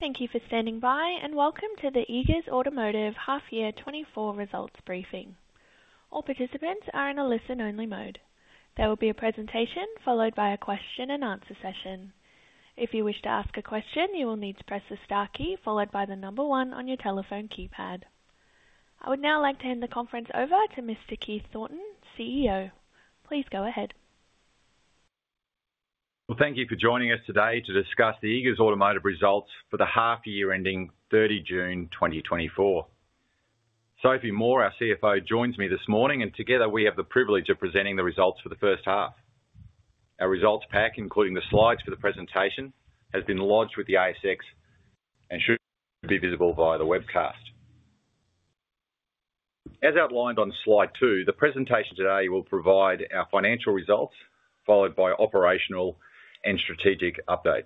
Thank you for standing by, and welcome to the Eagers Automotive Half Year 2024 Results Briefing. All participants are in a listen-only mode. There will be a presentation followed by a question and answer session. If you wish to ask a question, you will need to press the star key followed by the number one on your telephone keypad. I would now like to hand the conference over to Mr. Keith Thornton, CEO. Please go ahead. Thank you for joining us today to discuss the Eagers Automotive results for the half year ending thirty June, twenty twenty-four. Sophie Moore, our CFO, joins me this morning, and together we have the privilege of presenting the results for the first half. Our results pack, including the slides for the presentation, has been lodged with the ASX and should be visible via the webcast. As outlined on slide two, the presentation today will provide our financial results, followed by operational and strategic updates.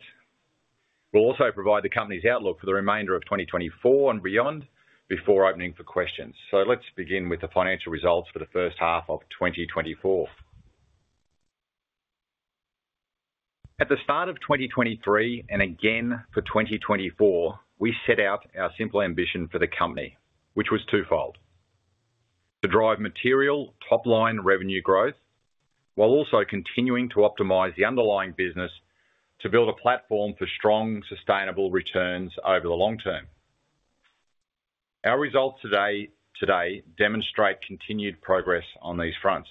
We'll also provide the company's outlook for the remainder of twenty twenty-four and beyond before opening for questions. Let's begin with the financial results for the first half of twenty twenty-four. At the start of 2023, and again for 2024, we set out our simple ambition for the company, which was twofold: to drive material top-line revenue growth, while also continuing to optimize the underlying business to build a platform for strong, sustainable returns over the long term. Our results today demonstrate continued progress on these fronts.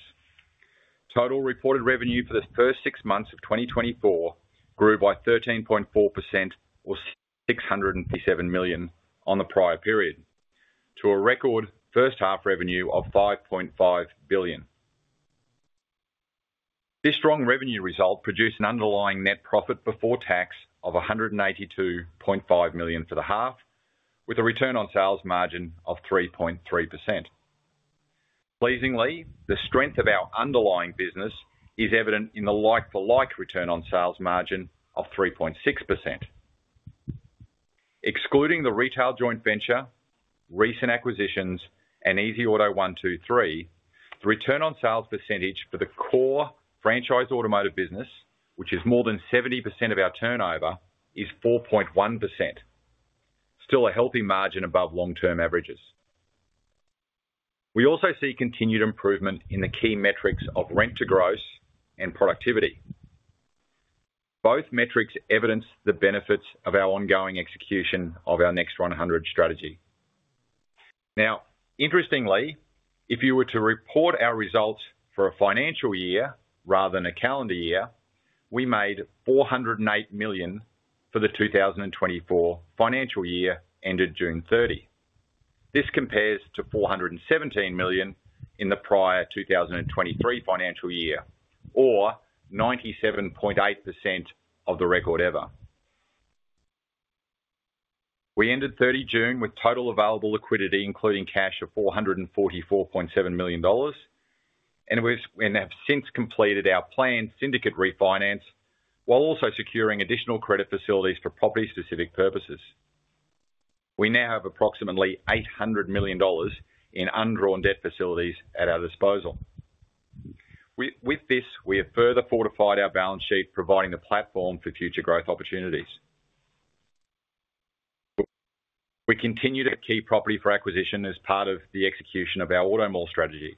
Total reported revenue for the first six months of 2024 grew by 13.4% or 657 million on the prior period, to a record first half revenue of 5.5 billion. This strong revenue result produced an underlying net profit before tax of 182.5 million for the half, with a return on sales margin of 3.3%. Pleasingly, the strength of our underlying business is evident in the like-for-like return on sales margin of 3.6%. Excluding the retail joint venture, recent acquisitions, and EasyAuto123 the return on sales percentage for the core franchise automotive business, which is more than 70% of our turnover, is 4.1%. Still a healthy margin above long-term averages. We also see continued improvement in the key metrics of rent to gross and productivity. Both metrics evidence the benefits of our ongoing execution of our Next100 strategy. Now, interestingly, if you were to report our results for a financial year rather than a calendar year, we made 408 million for the 2024 financial year ended June 30. This compares to $417 million in the prior 2023 financial year or 97.8% of the record ever. We ended 30 June with total available liquidity, including cash, of $444.7 million, and have since completed our planned syndicate refinance, while also securing additional credit facilities for property-specific purposes. We now have approximately $800 million in undrawn debt facilities at our disposal. With this, we have further fortified our balance sheet, providing the platform for future growth opportunities. We continue to queue property for acquisition as part of the execution of our Automall strategy.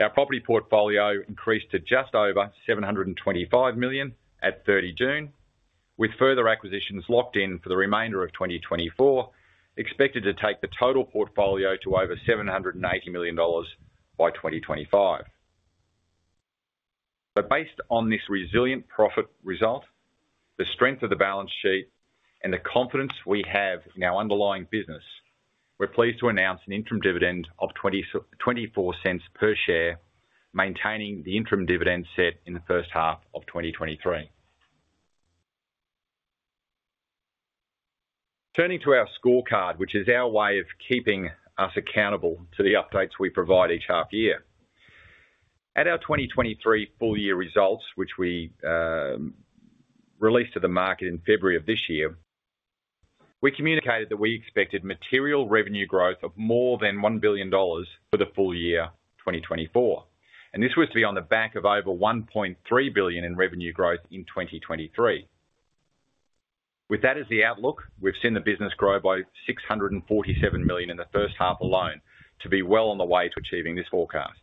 Our property portfolio increased to just over 725 million at 30 June, with further acquisitions locked in for the remainder of 2024, expected to take the total portfolio to over 780 million dollars by 2025. But based on this resilient profit result, the strength of the balance sheet, and the confidence we have in our underlying business, we're pleased to announce an interim dividend of 0.24 per share, maintaining the interim dividend set in the first half of 2023. Turning to our scorecard, which is our way of keeping us accountable to the updates we provide each half year. At our 2023 full year results, which we released to the market in February of this year, we communicated that we expected material revenue growth of more than 1 billion dollars for the full year 2024. And this was to be on the back of over 1.3 billion in revenue growth in 2023. With that as the outlook, we've seen the business grow by 647 million in the first half alone to be well on the way to achieving this forecast.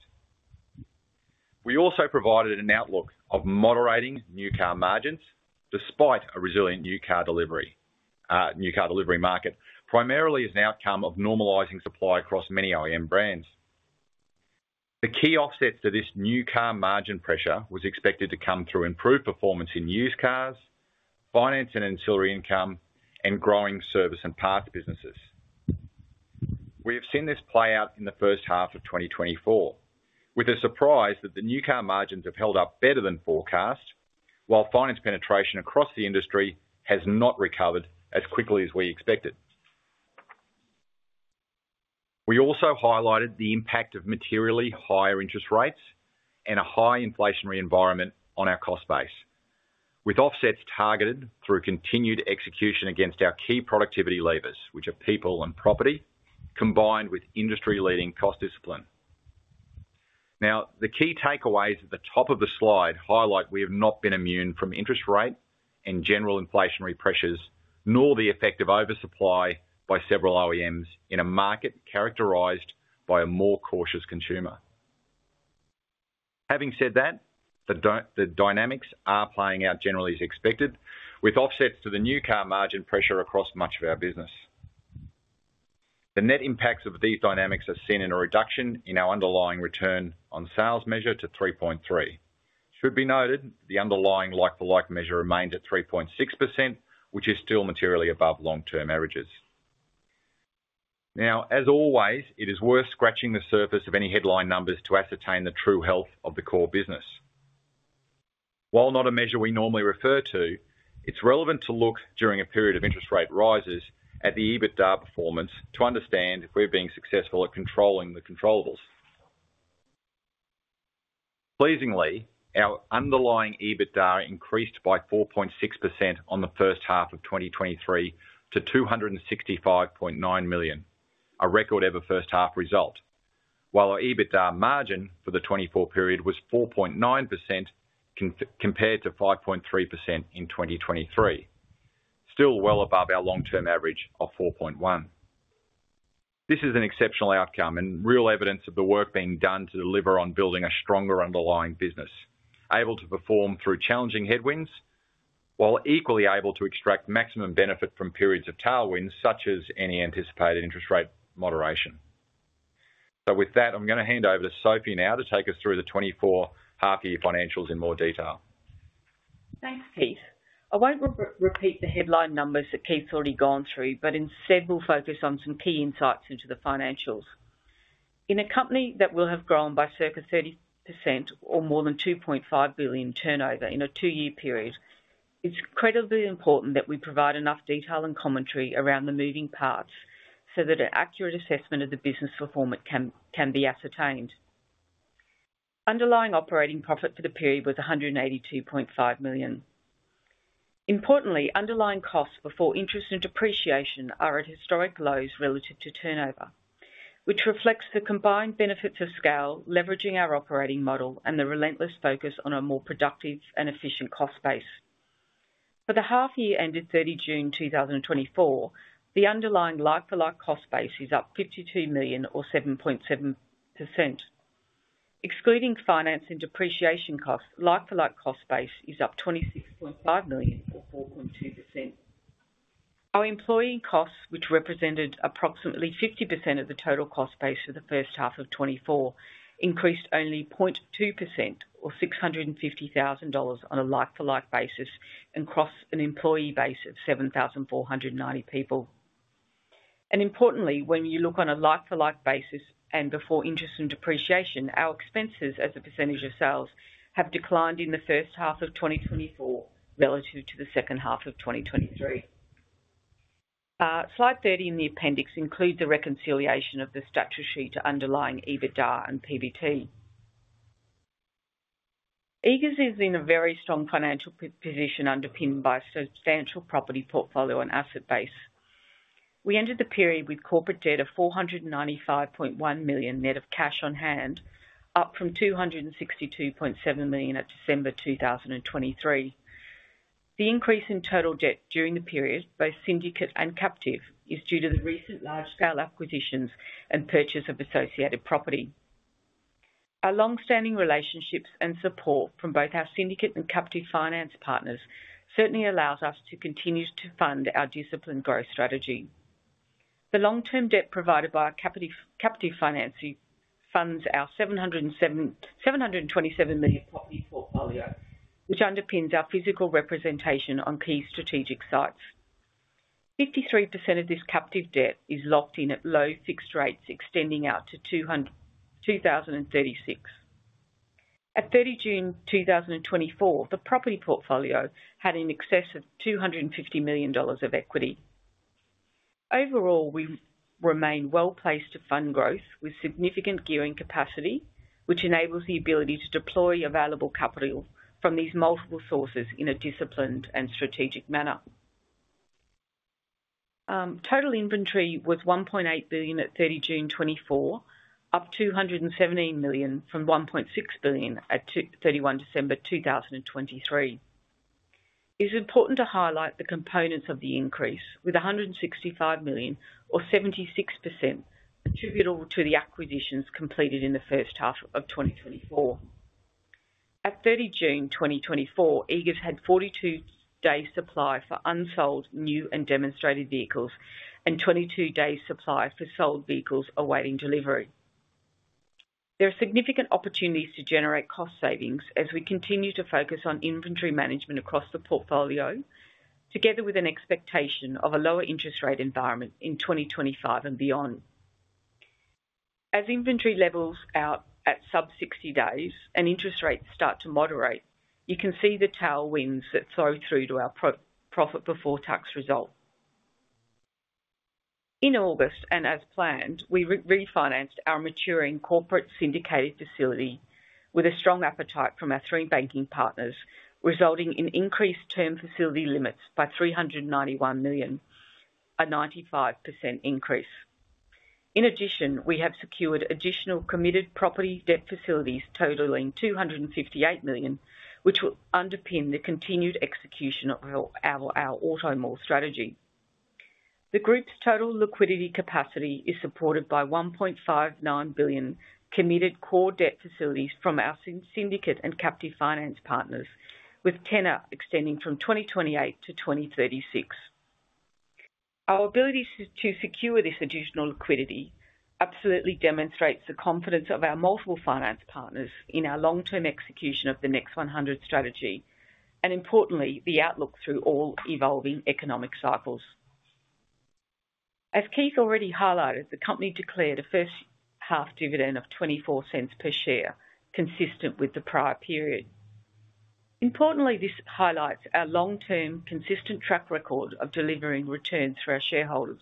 We also provided an outlook of moderating new car margins despite a resilient new car delivery market, primarily as an outcome of normalizing supply across many OEM brands. The key offset to this new car margin pressure was expected to come through improved performance in used cars, finance and ancillary income, and growing service and parts businesses. We have seen this play out in the first half of twenty twenty-four, with the surprise that the new car margins have held up better than forecast, while finance penetration across the industry has not recovered as quickly as we expected. We also highlighted the impact of materially higher interest rates and a high inflationary environment on our cost base, with offsets targeted through continued execution against our key productivity levers, which are people and property, combined with industry-leading cost discipline. Now, the key takeaways at the top of the slide highlight we have not been immune from interest rate and general inflationary pressures, nor the effect of oversupply by several OEMs in a market characterized by a more cautious consumer. Having said that, the dynamics are playing out generally as expected, with offsets to the new car margin pressure across much of our business. The net impacts of these dynamics are seen in a reduction in our underlying return on sales measure to 3.3. It should be noted, the underlying like-for-like measure remains at 3.6%, which is still materially above long-term averages. Now, as always, it is worth scratching the surface of any headline numbers to ascertain the true health of the core business. While not a measure we normally refer to, it's relevant to look during a period of interest rate rises at the EBITDA performance to understand if we're being successful at controlling the controllables. Pleasingly, our underlying EBITDA increased by 4.6% on the first half of 2023 to 265.9 million, a record-ever first half result. While our EBITDA margin for the 2024 period was 4.9% compared to 5.3% in 2023, still well above our long-term average of 4.1%. This is an exceptional outcome and real evidence of the work being done to deliver on building a stronger underlying business, able to perform through challenging headwinds, while equally able to extract maximum benefit from periods of tailwinds, such as any anticipated interest rate moderation. So with that, I'm gonna hand over to Sophie now to take us through the 2024 half year financials in more detail. Thanks, Keith. I won't repeat the headline numbers that Keith's already gone through, but instead, we'll focus on some key insights into the financials. In a company that will have grown by circa 30% or more than 2.5 billion turnover in a two-year period, it's incredibly important that we provide enough detail and commentary around the moving parts, so that an accurate assessment of the business performance can be ascertained. Underlying operating profit for the period was 182.5 million. Importantly, underlying costs before interest and depreciation are at historic lows relative to turnover, which reflects the combined benefits of scale, leveraging our operating model, and the relentless focus on a more productive and efficient cost base. For the half year ended 30 June 2024, the underlying like-for-like cost base is up 52 million, or 7.7%. Excluding finance and depreciation costs, like-for-like cost base is up 26.5 million, or 4.2%. Our employee costs, which represented approximately 50% of the total cost base for the first half of 2024, increased only 0.2% or 650,000 dollars on a like-for-like basis and across an employee base of 7,490 people. Importantly, when you look on a like-for-like basis and before interest and depreciation, our expenses as a percentage of sales have declined in the first half of 2024 relative to the second half of 2023. Slide 30 in the appendix includes the reconciliation of the balance sheet to underlying EBITDA and PBT. Eagers is in a very strong financial position, underpinned by a substantial property portfolio and asset base. We ended the period with corporate debt of 495.1 million, net of cash on hand, up from 262.7 million at December 2023. The increase in total debt during the period, both syndicate and captive, is due to the recent large-scale acquisitions and purchase of associated property. Our long-standing relationships and support from both our syndicate and captive finance partners certainly allows us to continue to fund our disciplined growth strategy. The long-term debt provided by our captive financing funds our 727 million property portfolio, which underpins our physical representation on key strategic sites. 53% of this captive debt is locked in at low fixed rates, extending out to 2036. At 30 June 2024, the property portfolio had in excess of 250 million dollars of equity. Overall, we remain well-placed to fund growth with significant gearing capacity, which enables the ability to deploy available capital from these multiple sources in a disciplined and strategic manner. Total inventory was 1.8 billion at 30 June 2024, up 217 million from 1.6 billion at 31 December 2023. It's important to highlight the components of the increase, with 165 million or 76% attributable to the acquisitions completed in the first half of 2024. At 30 June 2024, Eagers had 42 days supply for unsold, new, and demonstrated vehicles and 22 days supply for sold vehicles awaiting delivery. There are significant opportunities to generate cost savings as we continue to focus on inventory management across the portfolio, together with an expectation of a lower interest rate environment in 2025 and beyond. As inventory levels out at sub 60 days and interest rates start to moderate, you can see the tailwinds that flow through to our profit before tax result. In August, and as planned, we refinanced our maturing corporate syndicated facility with a strong appetite from our three banking partners, resulting in increased term facility limits by 391 million, a 95% increase. In addition, we have secured additional committed property debt facilities totaling 258 million, which will underpin the continued execution of our Automall strategy. The group's total liquidity capacity is supported by 1.59 billion in committed core debt facilities from our syndicate and captive finance partners, with tenor extending from 2028 to 2036. Our ability to secure this additional liquidity absolutely demonstrates the confidence of our multiple finance partners in our long-term execution of the Next100 strategy, and importantly, the outlook through all evolving economic cycles. As Keith already highlighted, the company declared a first-half dividend of 0.24 per share, consistent with the prior period. Importantly, this highlights our long-term consistent track record of delivering returns for our shareholders.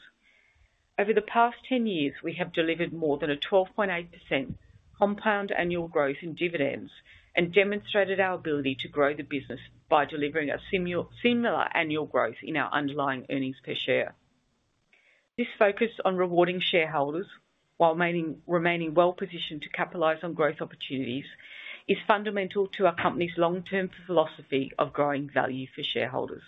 Over the past 10 years, we have delivered more than a 12.8% compound annual growth in dividends, and demonstrated our ability to grow the business by delivering a similar annual growth in our underlying earnings per share. This focus on rewarding shareholders, while remaining well positioned to capitalize on growth opportunities, is fundamental to our company's long-term philosophy of growing value for shareholders.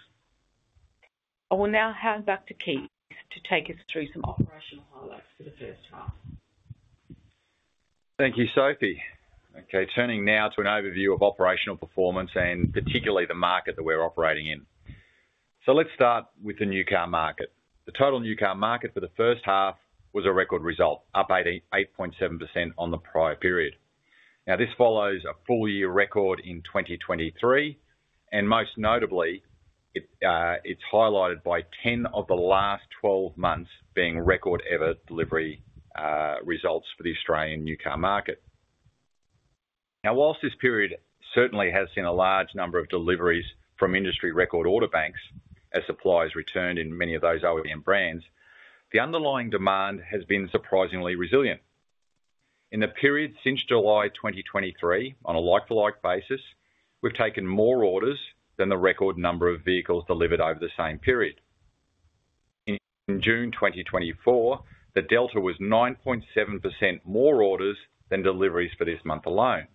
I will now hand back to Keith to take us through some operational highlights for the first half. Thank you, Sophie. Okay, turning now to an overview of operational performance and particularly the market that we're operating in. So let's start with the new car market. The total new car market for the first half was a record result, up 88.7% on the prior period. Now, this follows a full year record in 2023, and most notably, it, it's highlighted by 10 of the last 12 months being record-ever delivery results for the Australian new car market. Now, while this period certainly has seen a large number of deliveries from industry record order banks, as suppliers returned in many of those OEM brands, the underlying demand has been surprisingly resilient. In the period since July 2023, on a like-for-like basis, we've taken more orders than the record number of vehicles delivered over the same period. In June twenty twenty-four, the delta was 9.7% more orders than deliveries for this month alone.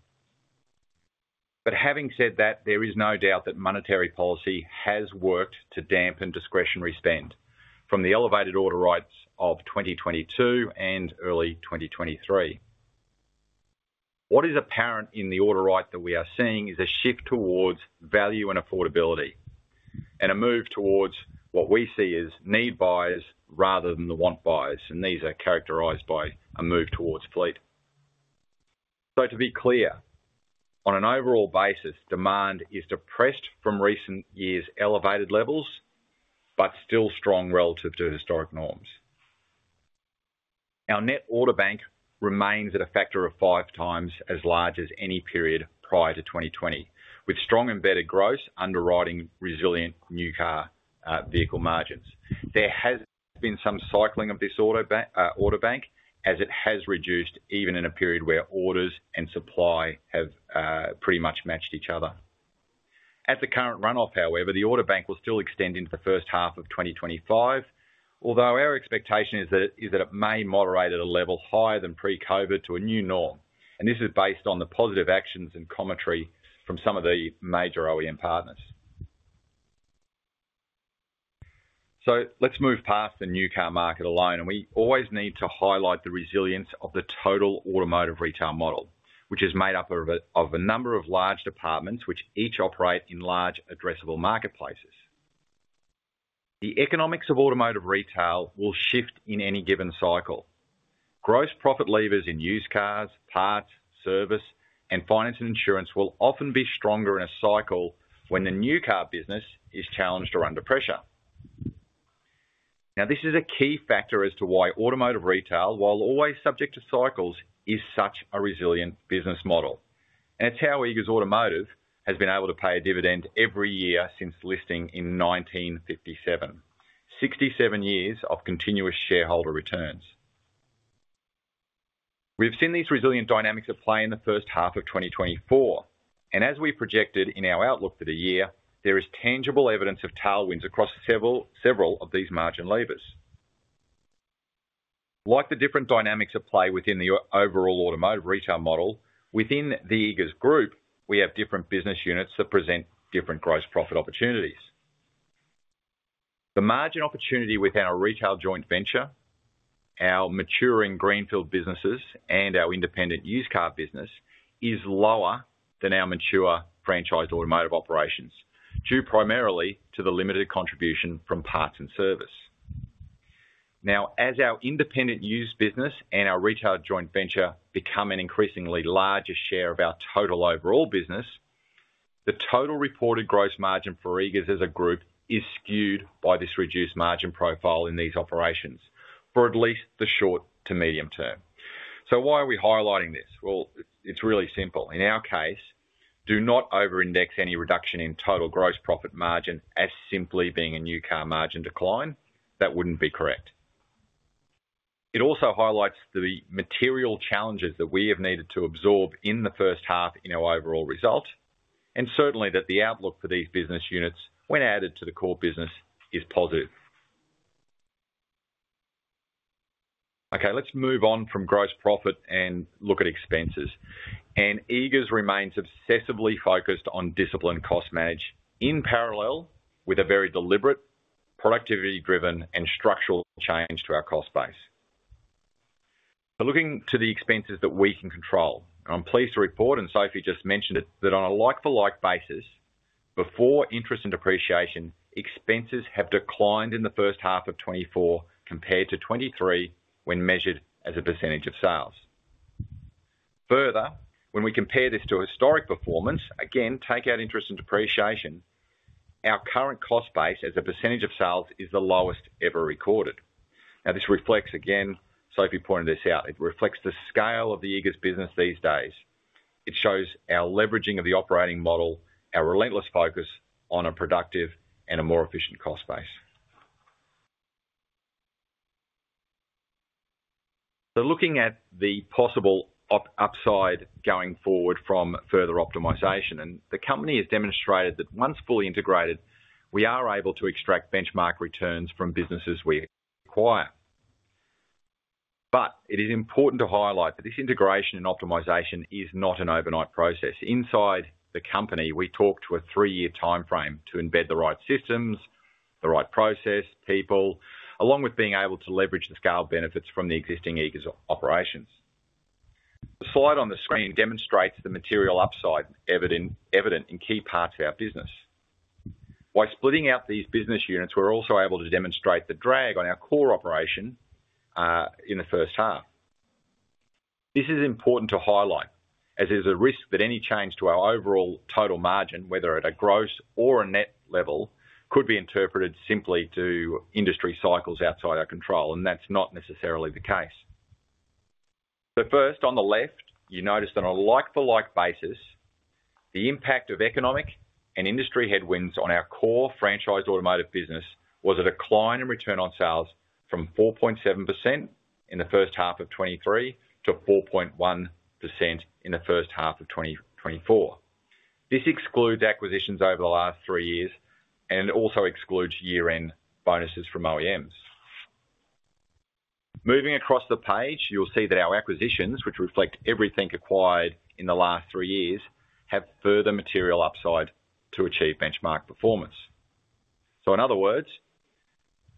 But having said that, there is no doubt that monetary policy has worked to dampen discretionary spend from the elevated order rates of twenty twenty-two and early twenty twenty-three. What is apparent in the order rate that we are seeing, is a shift towards value and affordability, and a move towards what we see as need buyers rather than the want buyers, and these are characterized by a move towards fleet. So to be clear, on an overall basis, demand is depressed from recent years' elevated levels, but still strong relative to historic norms. Our net order bank remains at a factor of five times as large as any period prior to twenty twenty, with strong embedded growth underwriting resilient new car vehicle margins. There has been some cycling of this order bank, as it has reduced even in a period where orders and supply have pretty much matched each other. At the current runoff, however, the order bank will still extend into the first half of 2025, although our expectation is that it may moderate at a level higher than pre-COVID to a new norm, and this is based on the positive actions and commentary from some of the major OEM partners. Let's move past the new car market alone, and we always need to highlight the resilience of the total automotive retail model, which is made up of a number of large departments which each operate in large addressable marketplaces. The economics of automotive retail will shift in any given cycle. Gross profit levers in used cars, parts, service, and finance and insurance will often be stronger in a cycle when the new car business is challenged or under pressure. Now, this is a key factor as to why automotive retail, while always subject to cycles, is such a resilient business model. And it's how Eagers Automotive has been able to pay a dividend every year since listing in nineteen fifty-seven. 67 years of continuous shareholder returns. We've seen these resilient dynamics at play in the first half of twenty twenty-four, and as we projected in our outlook for the year, there is tangible evidence of tailwinds across several of these margin levers. Like the different dynamics at play within the overall automotive retail model, within the Eagers Group, we have different business units that present different gross profit opportunities. The margin opportunity within our retail joint venture, our maturing greenfield businesses, and our independent used car business, is lower than our mature franchise automotive operations, due primarily to the limited contribution from parts and service. Now, as our independent used business and our retail joint venture become an increasingly larger share of our total overall business, the total reported gross margin for Eagers as a group is skewed by this reduced margin profile in these operations, for at least the short to medium term. So why are we highlighting this? Well, it's really simple. In our case, do not over-index any reduction in total gross profit margin as simply being a new car margin decline. That wouldn't be correct.... It also highlights the material challenges that we have needed to absorb in the first half in our overall result, and certainly that the outlook for these business units, when added to the core business, is positive. Okay, let's move on from gross profit and look at expenses, and Eagers remains obsessively focused on disciplined cost management, in parallel with a very deliberate, productivity-driven, and structural change to our cost base, so looking to the expenses that we can control. I'm pleased to report, and Sophie just mentioned it, that on a like-for-like basis, before interest and depreciation, expenses have declined in the first half of 2024 compared to 2023, when measured as a percentage of sales. Further, when we compare this to historic performance, again, take out interest and depreciation, our current cost base as a percentage of sales is the lowest ever recorded. Now, this reflects, again, Sophie pointed this out, it reflects the scale of the Eagers business these days. It shows our leveraging of the operating model, our relentless focus on a productive and a more efficient cost base. So looking at the possible upside going forward from further optimization, and the company has demonstrated that once fully integrated, we are able to extract benchmark returns from businesses we acquire. But it is important to highlight that this integration and optimization is not an overnight process. Inside the company, we talk to a three-year timeframe to embed the right systems, the right process, people, along with being able to leverage the scale benefits from the existing Eagers operations. The slide on the screen demonstrates the material upside evident in key parts of our business. By splitting out these business units, we're also able to demonstrate the drag on our core operation in the first half. This is important to highlight, as there's a risk that any change to our overall total margin, whether at a gross or a net level, could be interpreted simply to industry cycles outside our control, and that's not necessarily the case. But first, on the left, you notice that on a like-for-like basis, the impact of economic and industry headwinds on our core franchise automotive business was a decline in return on sales from 4.7% in the first half of 2023 to 4.1% in the first half of 2024. This excludes acquisitions over the last three years and also excludes year-end bonuses from OEMs. Moving across the page, you'll see that our acquisitions, which reflect everything acquired in the last three years, have further material upside to achieve benchmark performance, so in other words,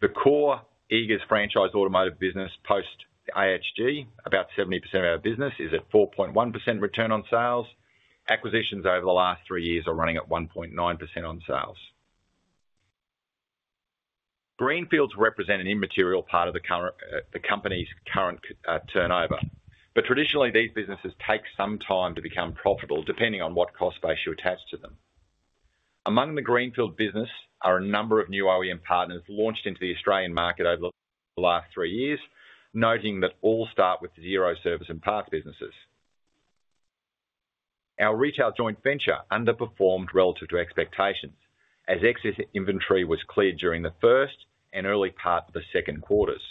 the core Eagers franchise automotive business, post AHG, about 70% of our business, is at 4.1% return on sales. Acquisitions over the last three years are running at 1.9% on sales. Greenfields represent an immaterial part of the current, the company's current turnover, but traditionally, these businesses take some time to become profitable, depending on what cost base you attach to them. Among the Greenfield business are a number of new OEM partners launched into the Australian market over the last three years, noting that all start with zero service and parts businesses. Our retail joint venture underperformed relative to expectations, as excess inventory was cleared during the first and early part of the second quarters.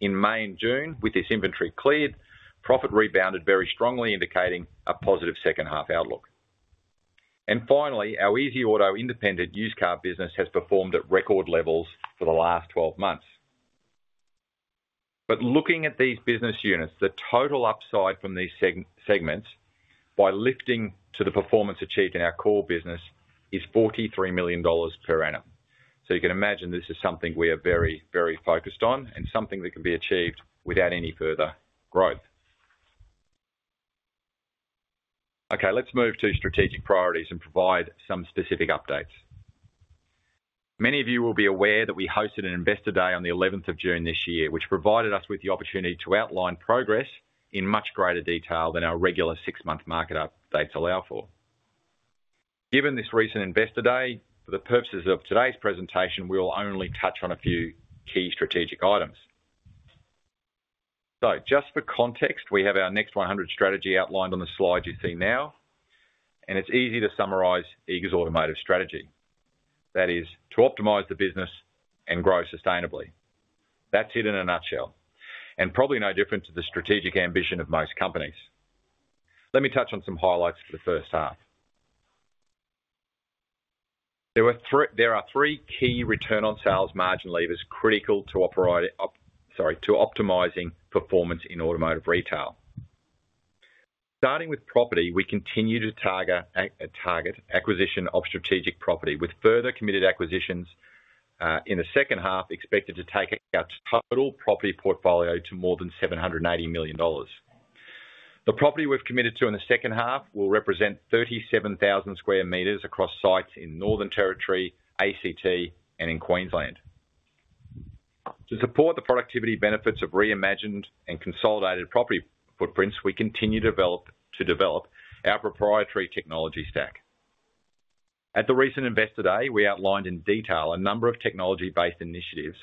In May and June, with this inventory cleared, profit rebounded very strongly, indicating a positive second half outlook. And finally, our EasyAuto independent used car business has performed at record levels for the last twelve months. But looking at these business units, the total upside from these segments, by lifting to the performance achieved in our core business, is 43 million dollars per annum. So you can imagine this is something we are very, very focused on and something that can be achieved without any further growth. Okay, let's move to strategic priorities and provide some specific updates. Many of you will be aware that we hosted an Investor Day on the eleventh of June this year, which provided us with the opportunity to outline progress in much greater detail than our regular six-month market updates allow for. Given this recent Investor Day, for the purposes of today's presentation, we will only touch on a few key strategic items. So just for context, we have our Next100 strategy outlined on the slide you see now, and it's easy to summarize Eagers Automotive strategy. That is, to optimize the business and grow sustainably. That's it in a nutshell, and probably no different to the strategic ambition of most companies. Let me touch on some highlights for the first half. There are three key return on sales margin levers critical, sorry, to optimizing performance in automotive retail. Starting with property, we continue to target acquisition of strategic property, with further committed acquisitions in the second half, expected to take our total property portfolio to more than 780 million dollars. The property we've committed to in the second half will represent 37,000 square meters across sites in Northern Territory, ACT, and in Queensland. To support the productivity benefits of reimagined and consolidated property footprints, we continue to develop our proprietary technology stack. At the recent Investor Day, we outlined in detail a number of technology-based initiatives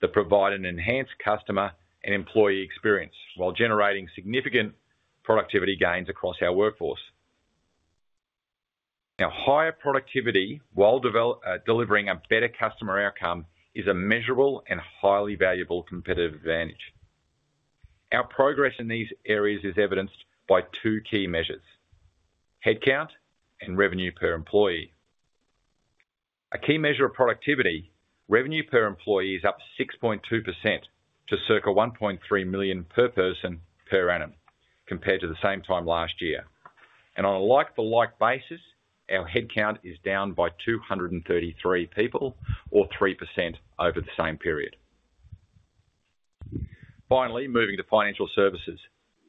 that provide an enhanced customer and employee experience while generating significant productivity gains across our workforce. Now, higher productivity while delivering a better customer outcome is a measurable and highly valuable competitive advantage. Our progress in these areas is evidenced by two key measures: headcount and revenue per employee. A key measure of productivity, revenue per employee, is up 6.2% to circa 1.3 million per person per annum, compared to the same time last year. On a like-for-like basis, our headcount is down by 233 people or 3% over the same period. Finally, moving to financial services,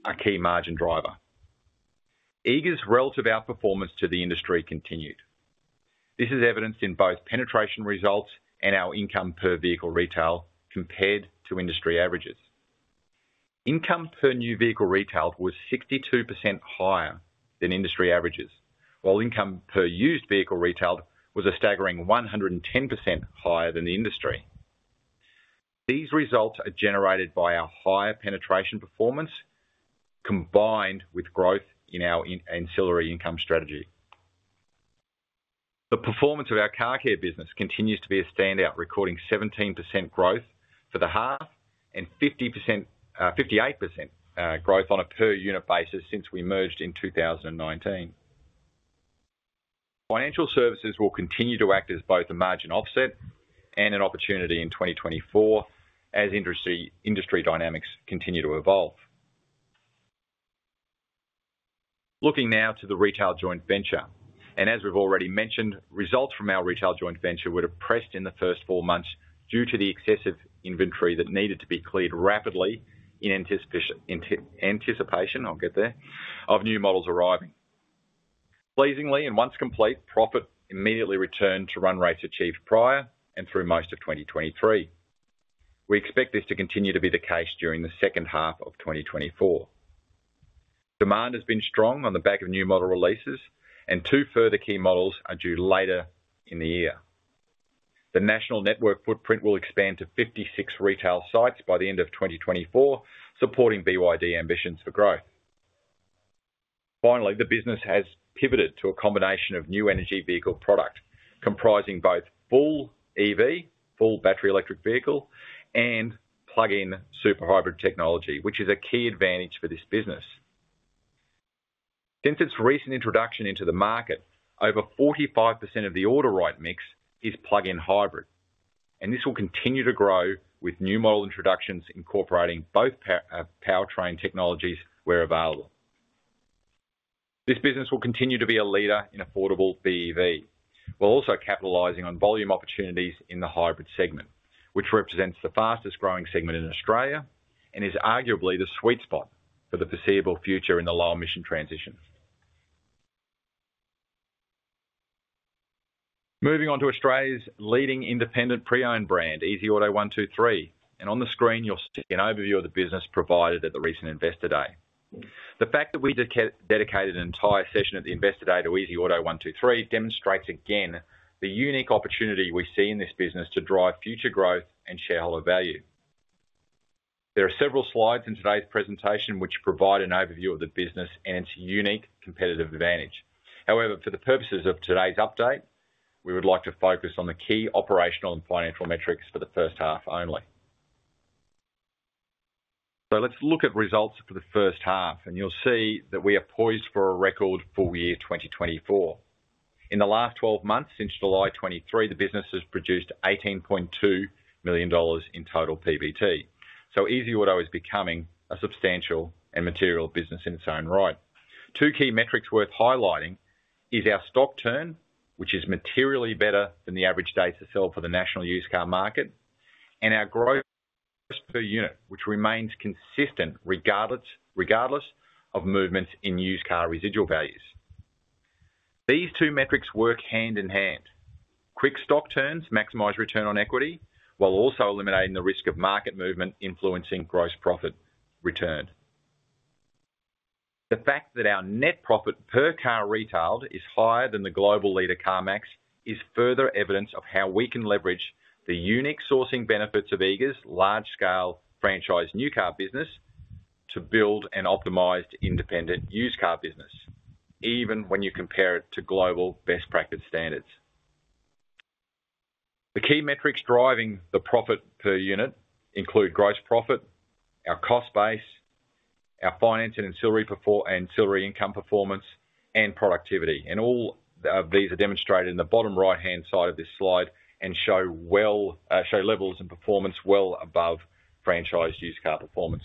our key margin driver. Eagers' relative outperformance to the industry continued. This is evidenced in both penetration results and our income per vehicle retailed compared to industry averages. Income per new vehicle retailed was 62% higher than industry averages, while income per used vehicle retailed was a staggering 110% higher than the industry. These results are generated by our higher penetration performance, combined with growth in our in-ancillary income strategy. The performance of our car care business continues to be a standout, recording 17% growth for the half and 50%, 58%, growth on a per unit basis since we merged in 2019. Financial services will continue to act as both a margin offset and an opportunity in 2024 as industry dynamics continue to evolve. Looking now to the retail joint venture, and as we've already mentioned, results from our retail joint venture were depressed in the first four months due to the excessive inventory that needed to be cleared rapidly in anticipation of new models arriving. Pleasingly, and once complete, profit immediately returned to run rates achieved prior and through most of 2023. We expect this to continue to be the case during the second half of 2024. Demand has been strong on the back of new model releases, and two further key models are due later in the year. The national network footprint will expand to 56 retail sites by the end of 2024, supporting BYD ambitions for growth. Finally, the business has pivoted to a combination of new energy vehicle product, comprising both full EV, full battery electric vehicle, and plug-in Super Hybrid technology, which is a key advantage for this business. Since its recent introduction into the market, over 45% of the order write mix is plug-in hybrid, and this will continue to grow with new model introductions, incorporating both powertrain technologies where available. This business will continue to be a leader in affordable BEV, while also capitalizing on volume opportunities in the hybrid segment, which represents the fastest growing segment in Australia and is arguably the sweet spot for the foreseeable future in the low emission transition. Moving on to Australia's leading independent pre-owned brand, EasyAuto123. And on the screen, you'll see an overview of the business provided at the recent Investor Day. The fact that we dedicated an entire session at the Investor Day to EasyAuto123 demonstrates again the unique opportunity we see in this business to drive future growth and shareholder value. There are several slides in today's presentation which provide an overview of the business and its unique competitive advantage. However, for the purposes of today's update, we would like to focus on the key operational and financial metrics for the first half only. So let's look at results for the first half, and you'll see that we are poised for a record full year, twenty twenty-four. In the last 12 months, since July 2023, the business has produced 18.2 million dollars in total PBT. So EasyAuto is becoming a substantial and material business in its own right. Two key metrics worth highlighting is our stock turn, which is materially better than the average days to sell for the national used car market, and our gross per unit, which remains consistent regardless of movements in used car residual values. These two metrics work hand in hand. Quick stock turns maximize return on equity, while also eliminating the risk of market movement influencing gross profit return. The fact that our net profit per car retailed is higher than the global leader, CarMax, is further evidence of how we can leverage the unique sourcing benefits of Eagers' large-scale franchise new car business to build an optimized, independent used car business, even when you compare it to global best practice standards. The key metrics driving the profit per unit include gross profit, our cost base, our finance and ancillary income performance, and productivity. And all these are demonstrated in the bottom right-hand side of this slide and show well, show levels and performance well above franchise used car performance.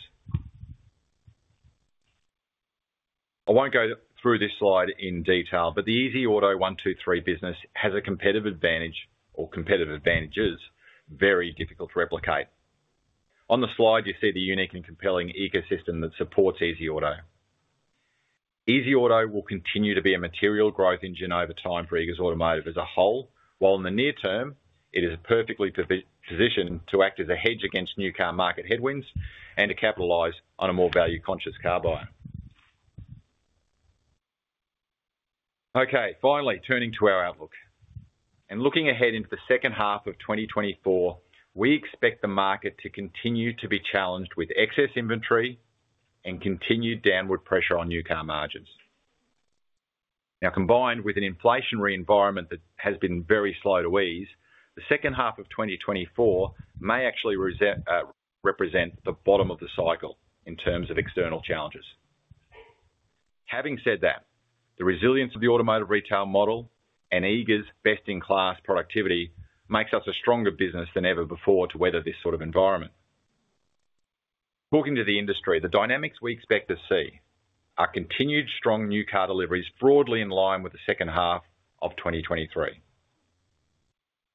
I won't go through this slide in detail, but the EasyAuto123 business has a competitive advantage or competitive advantages, very difficult to replicate. On the slide, you see the unique and compelling ecosystem that supports EasyAuto. EasyAuto will continue to be a material growth engine over time for Eagers Automotive as a whole, while in the near term, it is perfectly positioned to act as a hedge against new car market headwinds and to capitalize on a more value-conscious car buyer. Okay, finally turning to our outlook. And looking ahead into the second half of twenty twenty-four, we expect the market to continue to be challenged with excess inventory and continued downward pressure on new car margins. Now, combined with an inflationary environment that has been very slow to ease, the second half of twenty twenty-four may actually represent the bottom of the cycle in terms of external challenges. Having said that, the resilience of the automotive retail model and Eagers' best-in-class productivity makes us a stronger business than ever before to weather this sort of environment. Talking to the industry, the dynamics we expect to see are continued strong new car deliveries, broadly in line with the second half of 2023.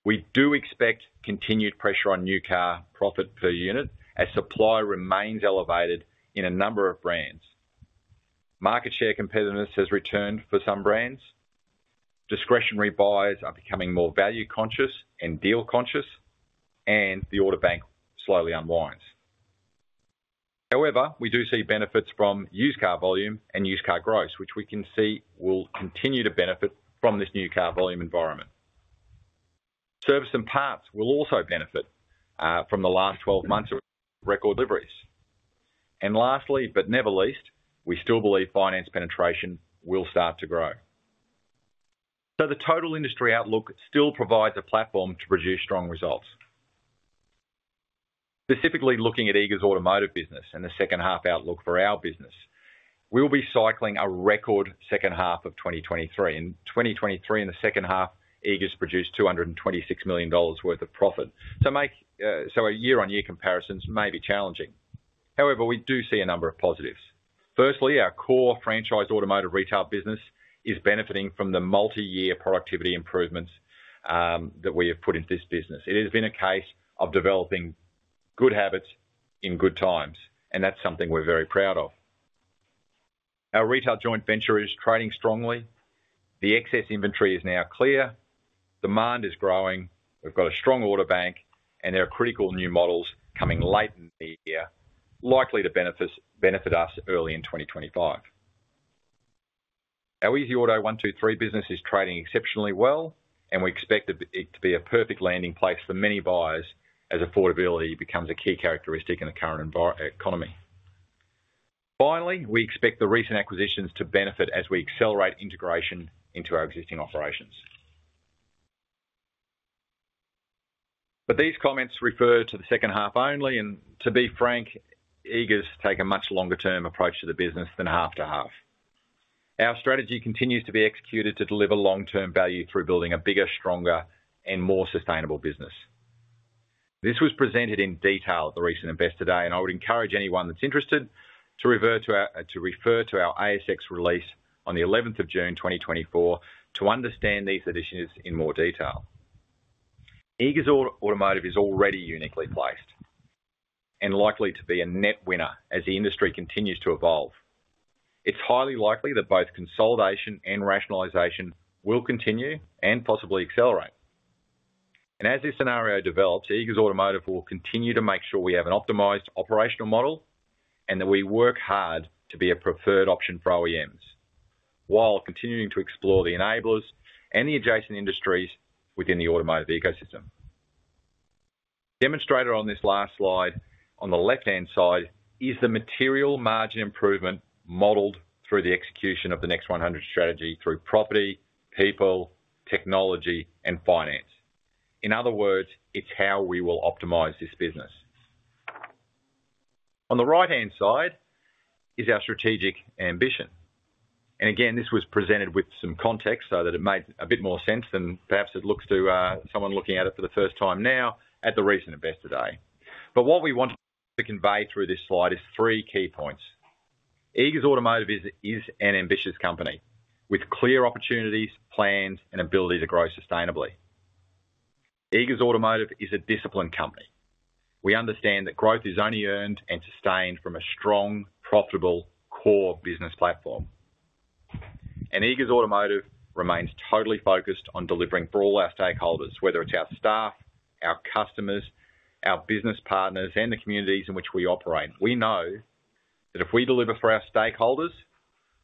We do expect continued pressure on new car profit per unit, as supply remains elevated in a number of brands. Market share competitiveness has returned for some brands. Discretionary buyers are becoming more value conscious and deal conscious, and the order bank slowly unwinds. However, we do see benefits from used car volume and used car growth, which we can see will continue to benefit from this new car volume environment. Service and parts will also benefit from the last twelve months of record deliveries. And lastly, but never least, we still believe finance penetration will start to grow. So the total industry outlook still provides a platform to produce strong results. Specifically, looking at Eagers Automotive business and the second half outlook for our business, we'll be cycling a record second half of twenty twenty-three. In twenty twenty-three, in the second half, Eagers produced 226 million dollars worth of profit. So our year-on-year comparisons may be challenging. However, we do see a number of positives. Firstly, our core franchise automotive retail business is benefiting from the multi-year productivity improvements that we have put in this business. It has been a case of developing good habits in good times, and that's something we're very proud of. Our retail joint venture is trading strongly. The excess inventory is now clear. Demand is growing. We've got a strong order bank, and there are critical new models coming late in the year, likely to benefit us early in twenty twenty-five. Our EasyAuto123 business is trading exceptionally well, and we expect it to be a perfect landing place for many buyers as affordability becomes a key characteristic in the current economic environment. Finally, we expect the recent acquisitions to benefit as we accelerate integration into our existing operations. But these comments refer to the second half only, and to be frank, Eagers take a much longer-term approach to the business than half to half. Our strategy continues to be executed to deliver long-term value through building a bigger, stronger, and more sustainable business. This was presented in detail at the recent Investor Day, and I would encourage anyone that's interested to refer to our ASX release on the eleventh of June, twenty twenty-four, to understand these additions in more detail. Eagers Automotive is already uniquely placed and likely to be a net winner as the industry continues to evolve. It's highly likely that both consolidation and rationalization will continue and possibly accelerate. As this scenario develops, Eagers Automotive will continue to make sure we have an optimized operational model and that we work hard to be a preferred option for OEMs, while continuing to explore the enablers and the adjacent industries within the automotive ecosystem. Demonstrated on this last slide, on the left-hand side, is the material margin improvement modeled through the execution of the Next100 strategy through property, people, technology, and finance. In other words, it's how we will optimize this business. On the right-hand side is our strategic ambition, and again, this was presented with some context so that it made a bit more sense than perhaps it looks to someone looking at it for the first time now, at the recent Investor Day, but what we want to convey through this slide is three key points. Eagers Automotive is an ambitious company with clear opportunities, plans, and ability to grow sustainably. Eagers Automotive is a disciplined company. We understand that growth is only earned and sustained from a strong, profitable, core business platform, and Eagers Automotive remains totally focused on delivering for all our stakeholders, whether it's our staff, our customers, our business partners, and the communities in which we operate. We know that if we deliver for our stakeholders,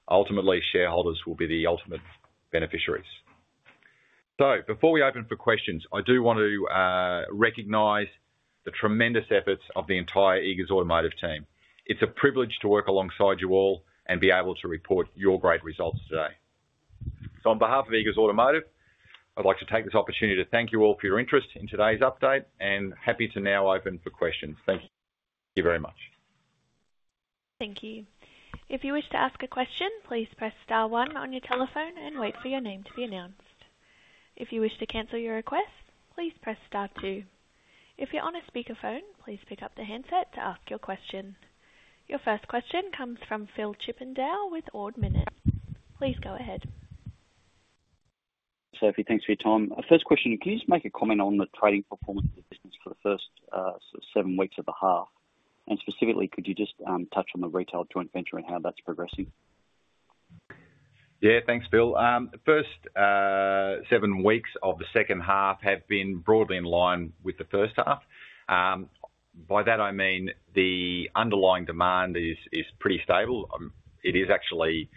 ultimately shareholders will be the ultimate beneficiaries. So before we open for questions, I do want to recognize the tremendous efforts of the entire Eagers Automotive team. It's a privilege to work alongside you all and be able to report your great results today. So on behalf of Eagers Automotive, I'd like to take this opportunity to thank you all for your interest in today's update and happy to now open for questions. Thank you very much. Thank you. If you wish to ask a question, please press star one on your telephone and wait for your name to be announced. If you wish to cancel your request, please press star two. If you're on a speakerphone, please pick up the handset to ask your question. Your first question comes from Phillip Chippendale with Ord Minnett. Please go ahead. Sophie, thanks for your time. First question, can you just make a comment on the trading performance of the business for the first seven weeks of the half? And specifically, could you just touch on the retail joint venture and how that's progressing? Yeah, thanks, Phillip. The first seven weeks of the second half have been broadly in line with the first half. By that I mean, the underlying demand is pretty stable. It is actually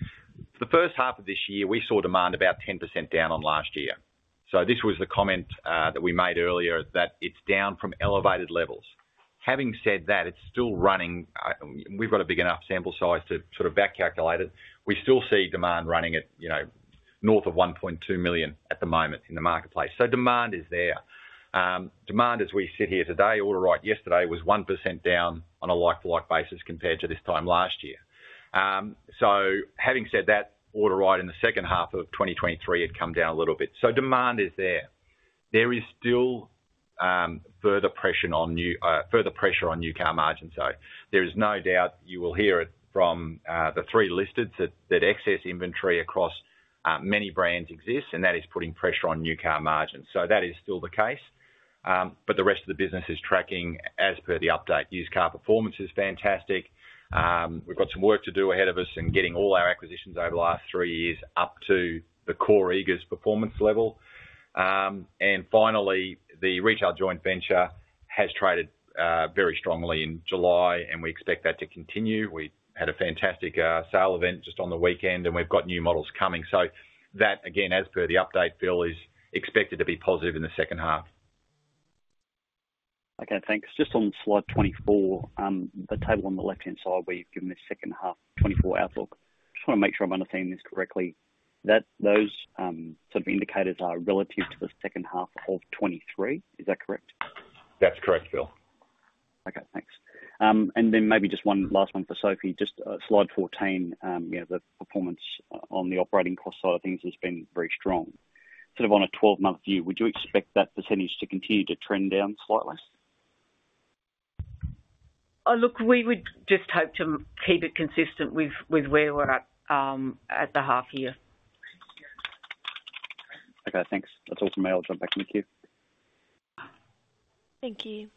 the first half of this year, we saw demand about 10% down on last year. So this was the comment that we made earlier, that it's down from elevated levels. Having said that, it's still running. We've got a big enough sample size to sort of back calculate it. We still see demand running at, you know, north of one point two million at the moment in the marketplace. So demand is there. Demand as we sit here today, order intake yesterday, was 1% down on a like-for-like basis compared to this time last year. So having said that, orders rates in the second half of 2023 had come down a little bit. So demand is there. There is still further pressure on new car margins, so there is no doubt you will hear it from the three listed that excess inventory across many brands exists, and that is putting pressure on new car margins. So that is still the case. But the rest of the business is tracking as per the update. Used car performance is fantastic. We've got some work to do ahead of us in getting all our acquisitions over the last three years up to the core Eagers performance level. And finally, the retail joint venture has traded very strongly in July, and we expect that to continue. We had a fantastic sale event just on the weekend, and we've got new models coming. So that, again, as per the update, Phillip, is expected to be positive in the second half. Okay, thanks. Just on slide 24, the table on the left-hand side, where you've given the second half 2024 outlook. Just want to make sure I'm understanding this correctly, that those sort of indicators are relative to the second half of 2023. Is that correct? That's correct, Phillip. Okay, thanks. And then maybe just one last one for Sophie. Just, slide 14. You know, the performance on the operating cost side of things has been very strong. Sort of on a 12-month view, would you expect that percentage to continue to trend down slightly? Oh, look, we would just hope to keep it consistent with where we're at at the half year. Okay, thanks. That's all from me. I'll jump back in the queue. Thank you.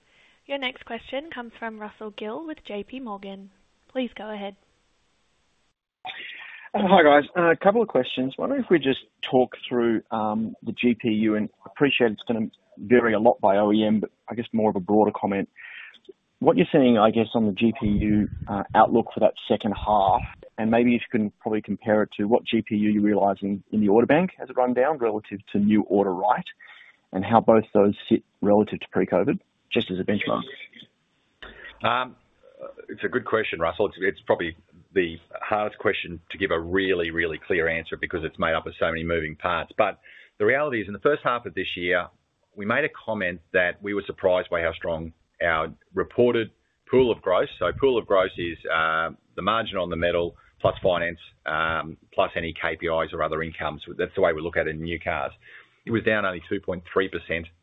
Your next question comes from Russell Gill with J.P. Morgan. Please go ahead. Hi, guys. A couple of questions. I wonder if we just talk through the GPU, and I appreciate it's gonna vary a lot by OEM, but I guess more of a broader comment. What you're seeing, I guess, on the GPU outlook for that second half, and maybe if you can probably compare it to what GPU you realize in the order bank as it run down relative to new order, right? And how both those sit relative to pre-COVID, just as a benchmark. It's a good question, Russell. It's probably the hardest question to give a really, really clear answer because it's made up of so many moving parts. But the reality is, in the first half of this year, we made a comment that we were surprised by how strong our reported pool of gross. So pool of gross is, the margin on the metal, plus finance, plus any KPIs or other incomes. That's the way we look at it in new cars. It was down only 2.3%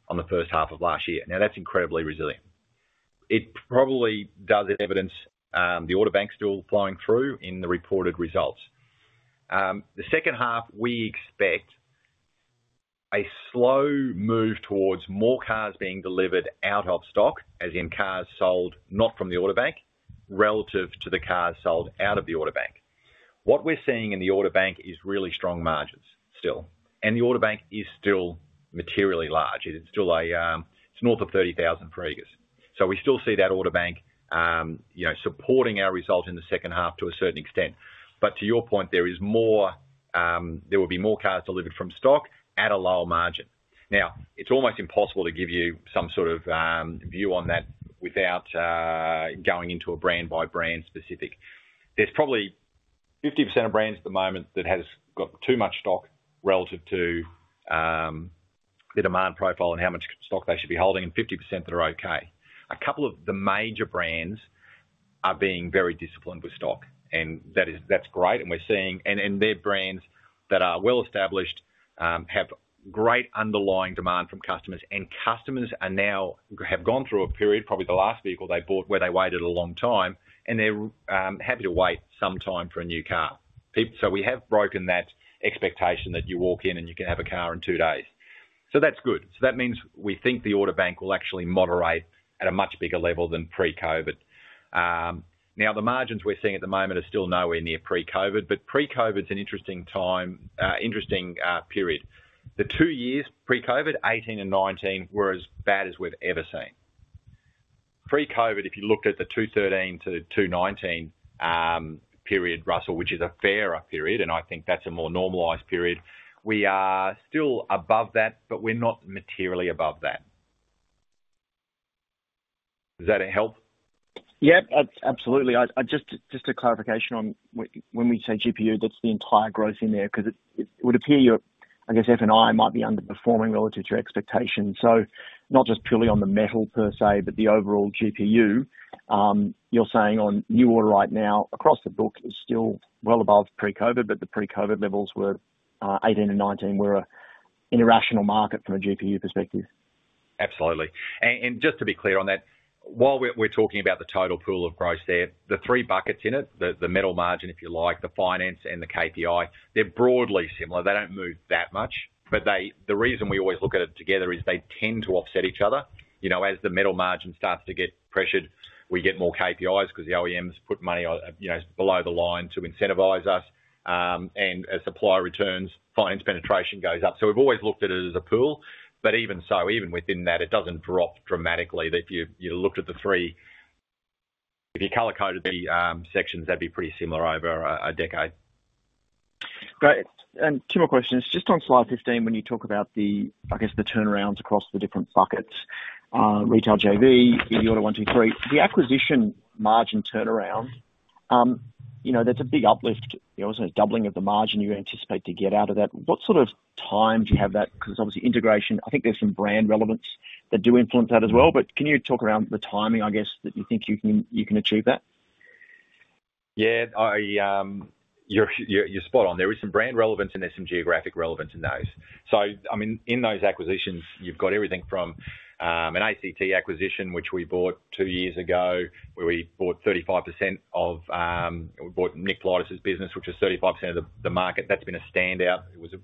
on the first half of last year. Now, that's incredibly resilient. It probably does evidence, the order bank still flowing through in the reported results. The second half, we expect a slow move towards more cars being delivered out of stock, as in cars sold, not from the order bank, relative to the cars sold out of the order bank. What we're seeing in the order bank is really strong margins still, and the order bank is still materially large. It is still, it's north of 30,000 for Eagers. So we still see that order bank, you know, supporting our results in the second half to a certain extent. But to your point, there is more, there will be more cars delivered from stock at a lower margin. Now, it's almost impossible to give you some sort of view on that without going into a brand-by-brand specific. There's probably 50% of brands at the moment that has got too much stock relative to the demand profile and how much stock they should be holding, and 50% that are okay. A couple of the major brands are being very disciplined with stock, and that's great, and we're seeing, and they're brands that are well established, have great underlying demand from customers. Customers are now have gone through a period, probably the last vehicle they bought, where they waited a long time, and they're happy to wait some time for a new car, so we have broken that expectation that you walk in, and you can have a car in two days. That's good. That means we think the order bank will actually moderate at a much bigger level than pre-COVID. Now, the margins we're seeing at the moment are still nowhere near pre-COVID, but pre-COVID is an interesting time, interesting period. The two years pre-COVID, 2018 and 2019, were as bad as we've ever seen. Pre-COVID, if you looked at the 2013 to the 2019 period, Russell, which is a fairer period, and I think that's a more normalized period, we are still above that, but we're not materially above that. Does that help? Yep, absolutely. I just a clarification on when we say GPU, that's the entire growth in there? 'Cause it would appear you're, I guess, F&I might be underperforming relative to expectations. So not just purely on the metal per se, but the overall GPU, you're saying on new order right now, across the book, is still well above pre-COVID, but the pre-COVID levels were, eighteen and nineteen, were an irrational market from a GPU perspective? Absolutely. And just to be clear on that, while we're talking about the total pool of gross there, the three buckets in it, the metal margin, if you like, the finance and the KPI, they're broadly similar. They don't move that much, but the reason we always look at it together is they tend to offset each other. You know, as the metal margin starts to get pressured, we get more KPIs because the OEMs put money on, you know, below the line to incentivize us, and as supply returns, finance penetration goes up. So we've always looked at it as a pool, but even so, even within that, it doesn't drop dramatically, that if you looked at the three, if you color-coded the sections, that'd be pretty similar over a decade. Great. And two more questions. Just on slide 15, when you talk about the, I guess, the turnarounds across the different buckets, retail JV, EasyAuto 123. The acquisition margin turnaround, you know, that's a big uplift. There was a doubling of the margin you anticipate to get out of that. What sort of time do you have that? 'Cause obviously integration, I think there's some brand relevance that do influence that as well, but can you talk around the timing, I guess, that you think you can, you can achieve that? Yeah, I, you're spot on. There is some brand relevance and there's some geographic relevance in those. So I mean, in those acquisitions, you've got everything from an ACT acquisition, which we bought two years ago, where we bought 35% of, we bought Nick Politis' business, which is 35% of the market. That's been a standout. It has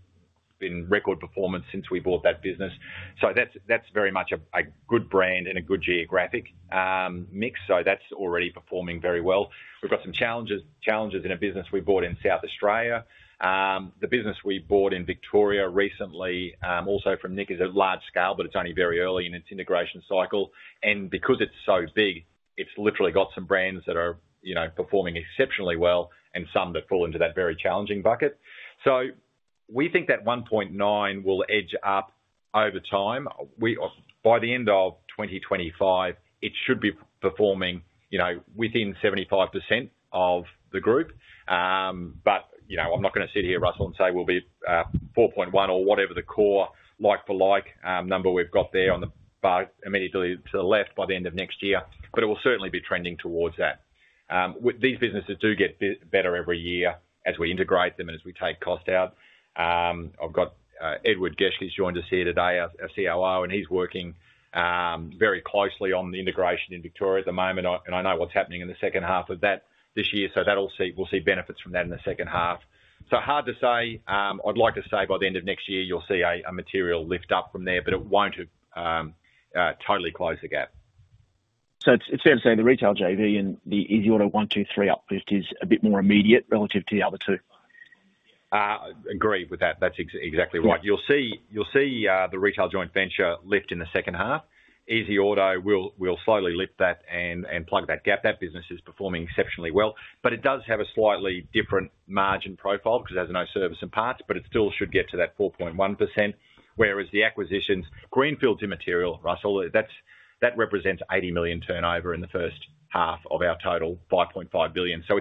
been record performance since we bought that business. So that's very much a good brand and a good geographic mix. So that's already performing very well. We've got some challenges in a business we bought in South Australia. The business we bought in Victoria recently, also from Nick, is a large scale, but it's only very early in its integration cycle, and because it's so big, it's literally got some brands that are, you know, performing exceptionally well and some that fall into that very challenging bucket. So we think that 1.9 will edge up over time. By the end of 2025, it should be performing, you know, within 75% of the group. But, you know, I'm not gonna sit here, Russell, and say, we'll be 4.1 or whatever the core like for like number we've got there on the bar immediately to the left by the end of next year, but it will certainly be trending towards that. With these businesses do get better every year as we integrate them and as we take cost out. I've got Edward Geschke's joined us here today, our COO, and he's working very closely on the integration in Victoria at the moment. And I know what's happening in the second half of that this year, so that'll see, we'll see benefits from that in the second half. So hard to say, I'd like to say by the end of next year you'll see a material lift up from there, but it won't totally close the gap. So it's fair to say the retail JV and the EasyAuto123 uplift is a bit more immediate relative to the other two? Agree with that. That's exactly right. You'll see the retail joint venture lift in the second half. EasyAuto, we'll slowly lift that and plug that gap. That business is performing exceptionally well, but it does have a slightly different margin profile because it has no service and parts, but it still should get to that 4.1%, whereas the acquisitions, greenfields immaterial, Russell. That represents 80 million turnover in the first half of our total 5.5 billion. So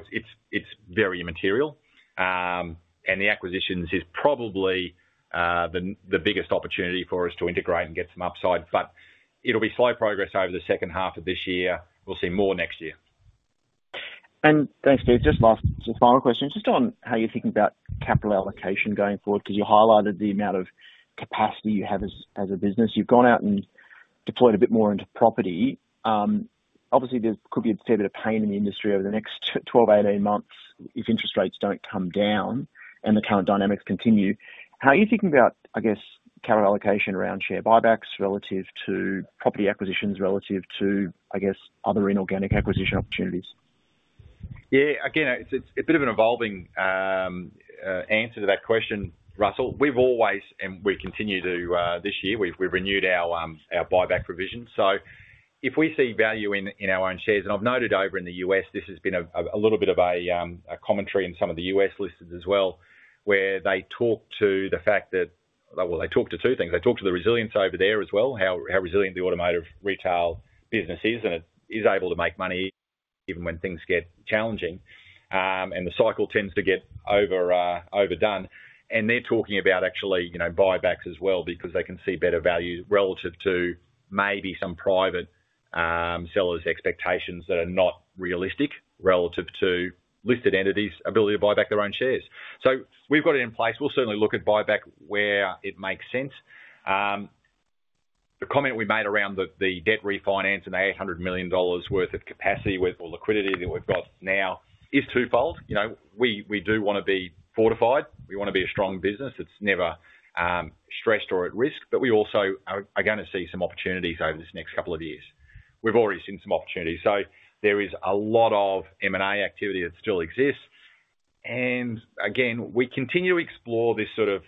it's very immaterial. And the acquisitions is probably the biggest opportunity for us to integrate and get some upside, but it'll be slow progress over the second half of this year. We'll see more next year. And thanks, Steve. Just final question, just on how you're thinking about capital allocation going forward, because you highlighted the amount of capacity you have as a business. You've gone out and deployed a bit more into property. Obviously, there could be a fair bit of pain in the industry over the next 12-18 months if interest rates don't come down and the current dynamics continue. How are you thinking about, I guess, capital allocation around share buybacks, relative to property acquisitions, relative to, I guess, other inorganic acquisition opportunities? Yeah, again, it's a bit of an evolving answer to that question, Russell. We've always, and we continue to, this year, we've renewed our buyback provisions. So if we see value in our own shares, and I've noted over in the US, this has been a little bit of a commentary in some of the US listings as well, where they talk to the fact that... Well, they talk to two things. They talk to the resilience over there as well, how resilient the automotive retail business is, and it is able to make money even when things get challenging, and the cycle tends to get overdone. And they're talking about actually, you know, buybacks as well, because they can see better value relative to maybe some private sellers' expectations that are not realistic, relative to listed entities' ability to buy back their own shares. So we've got it in place. We'll certainly look at buyback where it makes sense. The comment we made around the debt refinance and the 800 million dollars worth of capacity with or liquidity that we've got now is twofold. You know, we do wanna be fortified, we wanna be a strong business that's never stressed or at risk, but we also are gonna see some opportunities over this next couple of years. We've already seen some opportunities. There is a lot of M&A activity that still exists, and again, we continue to explore this sort of,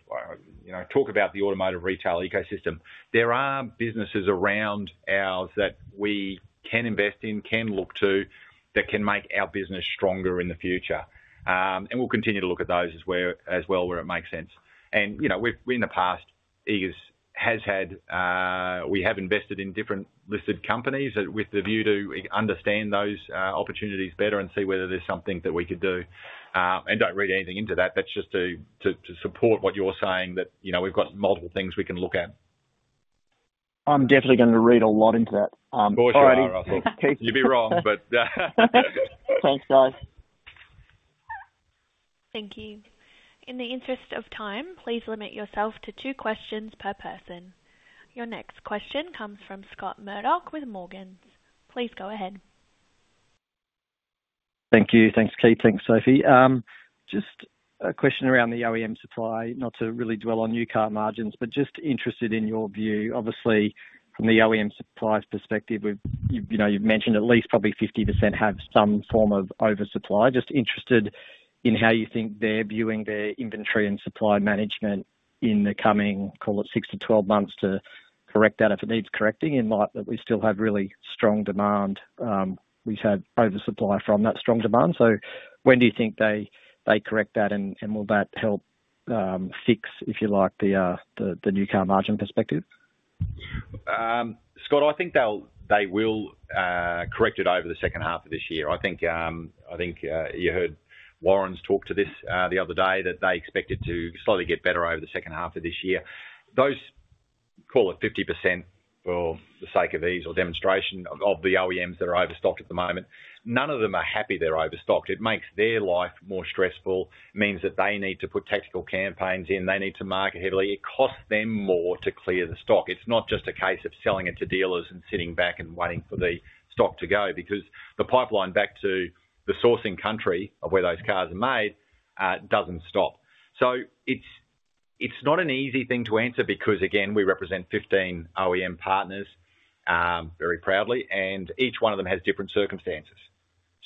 you know, talk about the automotive retail ecosystem. There are businesses around ours that we can invest in, can look to, that can make our business stronger in the future. We'll continue to look at those as where, as well, where it makes sense. You know, we've, in the past, Eagers has had, we have invested in different listed companies with the view to understand those opportunities better and see whether there's something that we could do. Don't read anything into that. That's just to support what you're saying, that, you know, we've got multiple things we can look at. I'm definitely gonna read a lot into that. All righty. Of course you are, Russell. You'd be wrong, but... Thanks, guys. Thank you. In the interest of time, please limit yourself to two questions per person. Your next question comes from Scott Murdoch with Morgans. Please go ahead. ...Thank you. Thanks, Keith. Thanks, Sophie. Just a question around the OEM supply. Not to really dwell on new car margins, but just interested in your view. Obviously, from the OEM suppliers perspective, you know, you've mentioned at least probably 50% have some form of oversupply. Just interested in how you think they're viewing their inventory and supply management in the coming, call it six to 12 months, to correct that, if it needs correcting, in light that we still have really strong demand, we've had oversupply from that strong demand. So when do you think they correct that, and will that help fix, if you like, the new car margin perspective? Scott, I think they will correct it over the second half of this year. I think you heard Warren talk to this the other day, that they expect it to slowly get better over the second half of this year. Those, call it 50%, for the sake of ease or demonstration, of the OEMs that are overstocked at the moment, none of them are happy they're overstocked. It makes their life more stressful. It means that they need to put tactical campaigns in. They need to market heavily. It costs them more to clear the stock. It's not just a case of selling it to dealers and sitting back and waiting for the stock to go, because the pipeline back to the sourcing country of where those cars are made doesn't stop. It's not an easy thing to answer because, again, we represent fifteen OEM partners very proudly, and each one of them has different circumstances.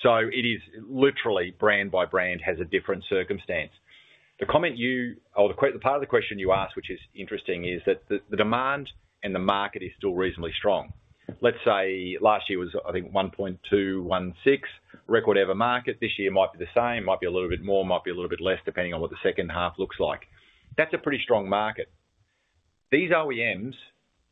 So it is literally brand by brand, has a different circumstance. The comment you asked, or the part of the question you asked, which is interesting, is that the demand and the market is still reasonably strong. Let's say last year was, I think, one point two one six, record-ever market. This year might be the same, might be a little bit more, might be a little bit less, depending on what the second half looks like. That's a pretty strong market. These OEMs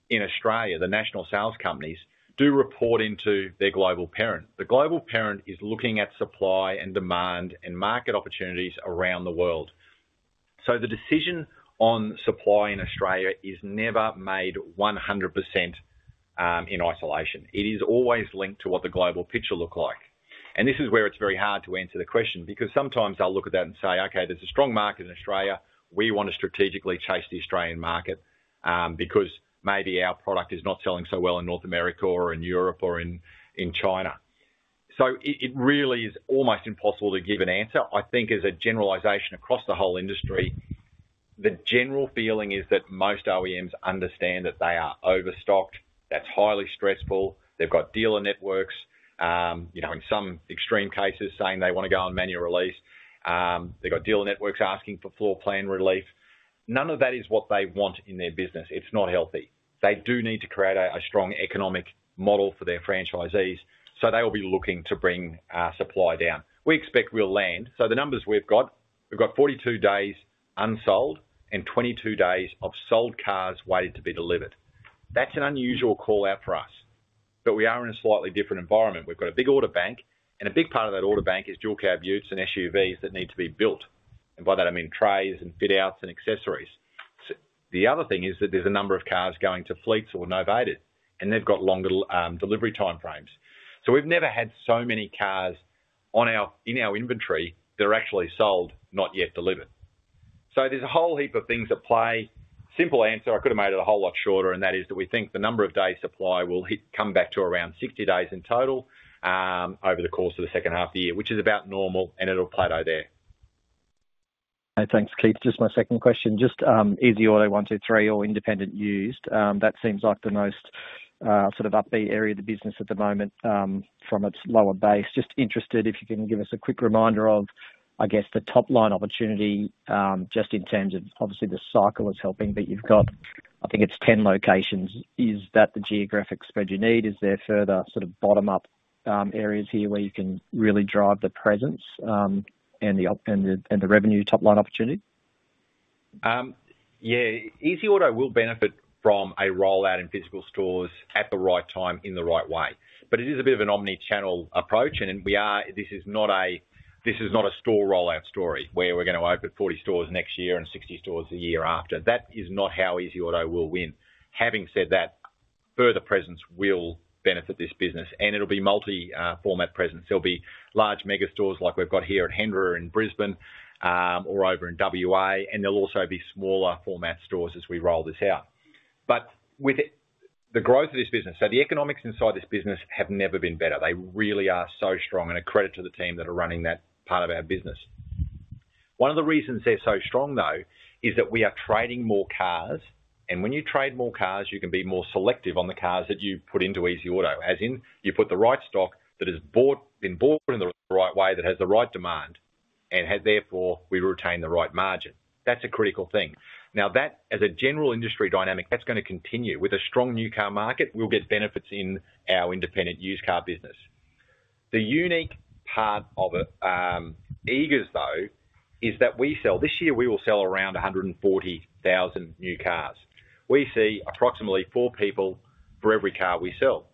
in Australia, the national sales companies, do report into their global parent. The global parent is looking at supply and demand and market opportunities around the world. So the decision on supply in Australia is never made 100%, in isolation. It is always linked to what the global picture look like. And this is where it's very hard to answer the question, because sometimes they'll look at that and say, "Okay, there's a strong market in Australia. We want to strategically chase the Australian market, because maybe our product is not selling so well in North America or in Europe or in China." So it really is almost impossible to give an answer. I think as a generalization across the whole industry, the general feeling is that most OEMs understand that they are overstocked. That's highly stressful. They've got dealer networks, you know, in some extreme cases, saying they want to go on manual release. They've got dealer networks asking for floor plan relief. None of that is what they want in their business. It's not healthy. They do need to create a strong economic model for their franchisees, so they will be looking to bring supply down. We expect we'll land so the numbers we've got, we've got 42 days unsold, and 22 days of sold cars waiting to be delivered. That's an unusual call-out for us, but we are in a slightly different environment. We've got a big order bank, and a big part of that order bank is dual cab utes and SUVs that need to be built, and by that I mean trays and fit outs and accessories. The other thing is that there's a number of cars going to fleets or novated, and they've got longer delivery time frames. We've never had so many cars on our, in our inventory that are actually sold, not yet delivered. So there's a whole heap of things at play. Simple answer, I could have made it a whole lot shorter, and that is, that we think the number of day supply will come back to around 60 days in total over the course of the second half of the year, which is about normal, and it'll plateau there. Hey, thanks, Keith. Just my second question, just, EasyAuto123, or independent used, that seems like the most, sort of upbeat area of the business at the moment, from its lower base. Just interested, if you can give us a quick reminder of, I guess, the top line opportunity, just in terms of obviously the cycle is helping, but you've got, I think it's 10 locations. Is that the geographic spread you need? Is there further sort of bottom-up, areas here where you can really drive the presence, and the revenue top line opportunity? Yeah. EasyAuto will benefit from a rollout in physical stores at the right time, in the right way, but it is a bit of an omni-channel approach. This is not a store rollout story, where we're gonna open 40 stores next year and 60 stores the year after. That is not how EasyAuto will win. Having said that, further presence will benefit this business, and it'll be multi-format presence. There'll be large mega stores like we've got here at Hendra in Brisbane, or over in WA, and there'll also be smaller format stores as we roll this out, but with the growth of this business, the economics inside this business have never been better. They really are so strong and a credit to the team that are running that part of our business. One of the reasons they're so strong, though, is that we are trading more cars, and when you trade more cars, you can be more selective on the cars that you put into EasyAuto. As in, you put the right stock that has been bought in the right way, that has the right demand, and therefore, we retain the right margin. That's a critical thing. Now, that as a general industry dynamic, that's gonna continue. With a strong new car market, we'll get benefits in our independent used car business. The unique part of it, Eagers, though, is that we sell. This year, we will sell around 140,000 new cars. We see approximately four people for every car we sell.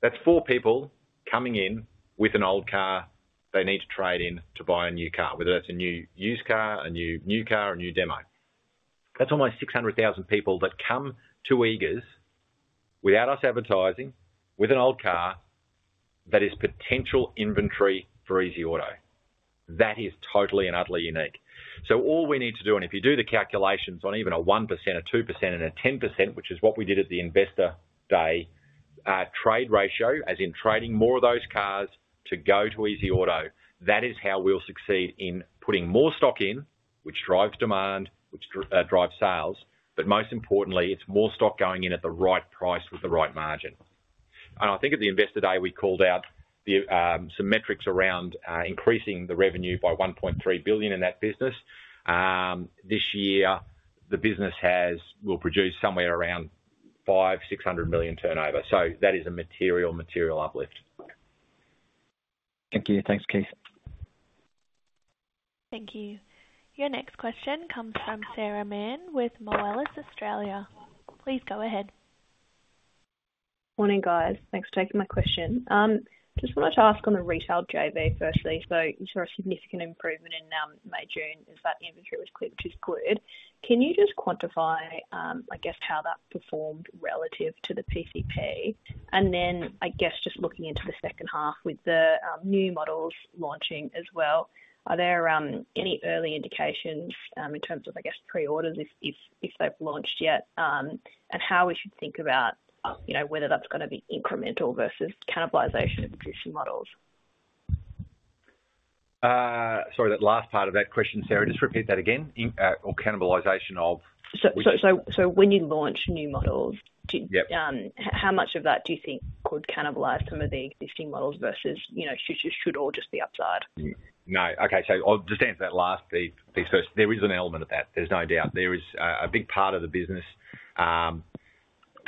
That's four people coming in with an old car they need to trade in to buy a new car, whether that's a new used car, a new new car, or a new demo. That's almost six hundred thousand people that come to Eagers, without us advertising, with an old car, that is potential inventory for EasyAuto. That is totally and utterly unique. So all we need to do, and if you do the calculations on even a 1%, a 2%, and a 10%, which is what we did at the Investor Day, trade ratio, as in trading more of those cars to go to EasyAuto, that is how we'll succeed in putting more stock in, which drives demand, which drives sales. But most importantly, it's more stock going in at the right price with the right margin. I think at the Investor Day, we called out some metrics around increasing the revenue by 1.3 billion in that business. This year, the business will produce somewhere around 500-600 million turnover. So that is a material uplift. Thank you. Thanks, Keith. Thank you. Your next question comes from Sarah Mann with Moelis Australia. Please go ahead. Morning, guys. Thanks for taking my question. Just wanted to ask on the retail JV, firstly, so you saw a significant improvement in May, June, as that inventory was cleared, which is good. Can you just quantify, I guess, how that performed relative to the PCP? And then, I guess, just looking into the second half with the new models launching as well, are there any early indications in terms of, I guess, pre-orders if they've launched yet, and how we should think about, you know, whether that's gonna be incremental versus cannibalization of existing models? Sorry, that last part of that question, Sarah, just repeat that again. In, or cannibalization of- So when you launch new models, do- Yep. How much of that do you think could cannibalize some of the existing models versus, you know, should all just be upside? No. Okay. So I'll just answer that last piece first. There is an element of that, there's no doubt. There is a big part of the business.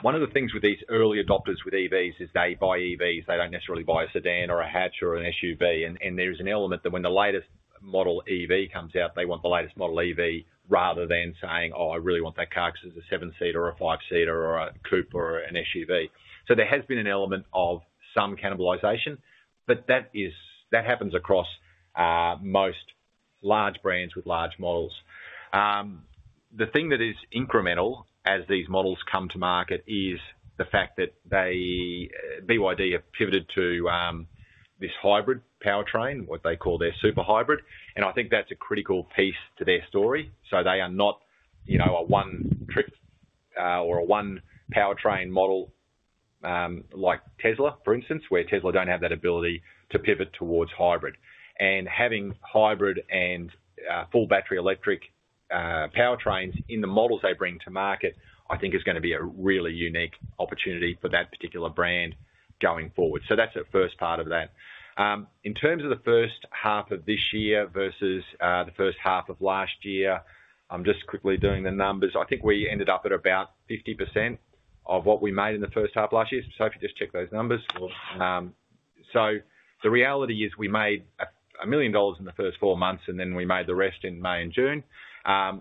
One of the things with these early adopters with EVs is they buy EVs, they don't necessarily buy a sedan or a hatch or an SUV. And there's an element that when the latest model EV comes out, they want the latest model EV, rather than saying, "Oh, I really want that car because it's a seven-seater or a five-seater or a coupe or an SUV." So there has been an element of some cannibalization, but that is... That happens across most large brands with large models. The thing that is incremental as these models come to market is the fact that they, BYD, have pivoted to this hybrid powertrain, what they call their Super Hybrid, and I think that's a critical piece to their story. So they are not, you know, a one trick or a one powertrain model like Tesla, for instance, where Tesla don't have that ability to pivot towards hybrid. And having hybrid and full battery electric powertrains in the models they bring to market, I think is gonna be a really unique opportunity for that particular brand going forward. So that's the first part of that. In terms of the first half of this year versus the first half of last year, I'm just quickly doing the numbers. I think we ended up at about 50% of what we made in the first half last year. Sophie, just check those numbers. So the reality is we made $1 million in the first four months, and then we made the rest in May and June.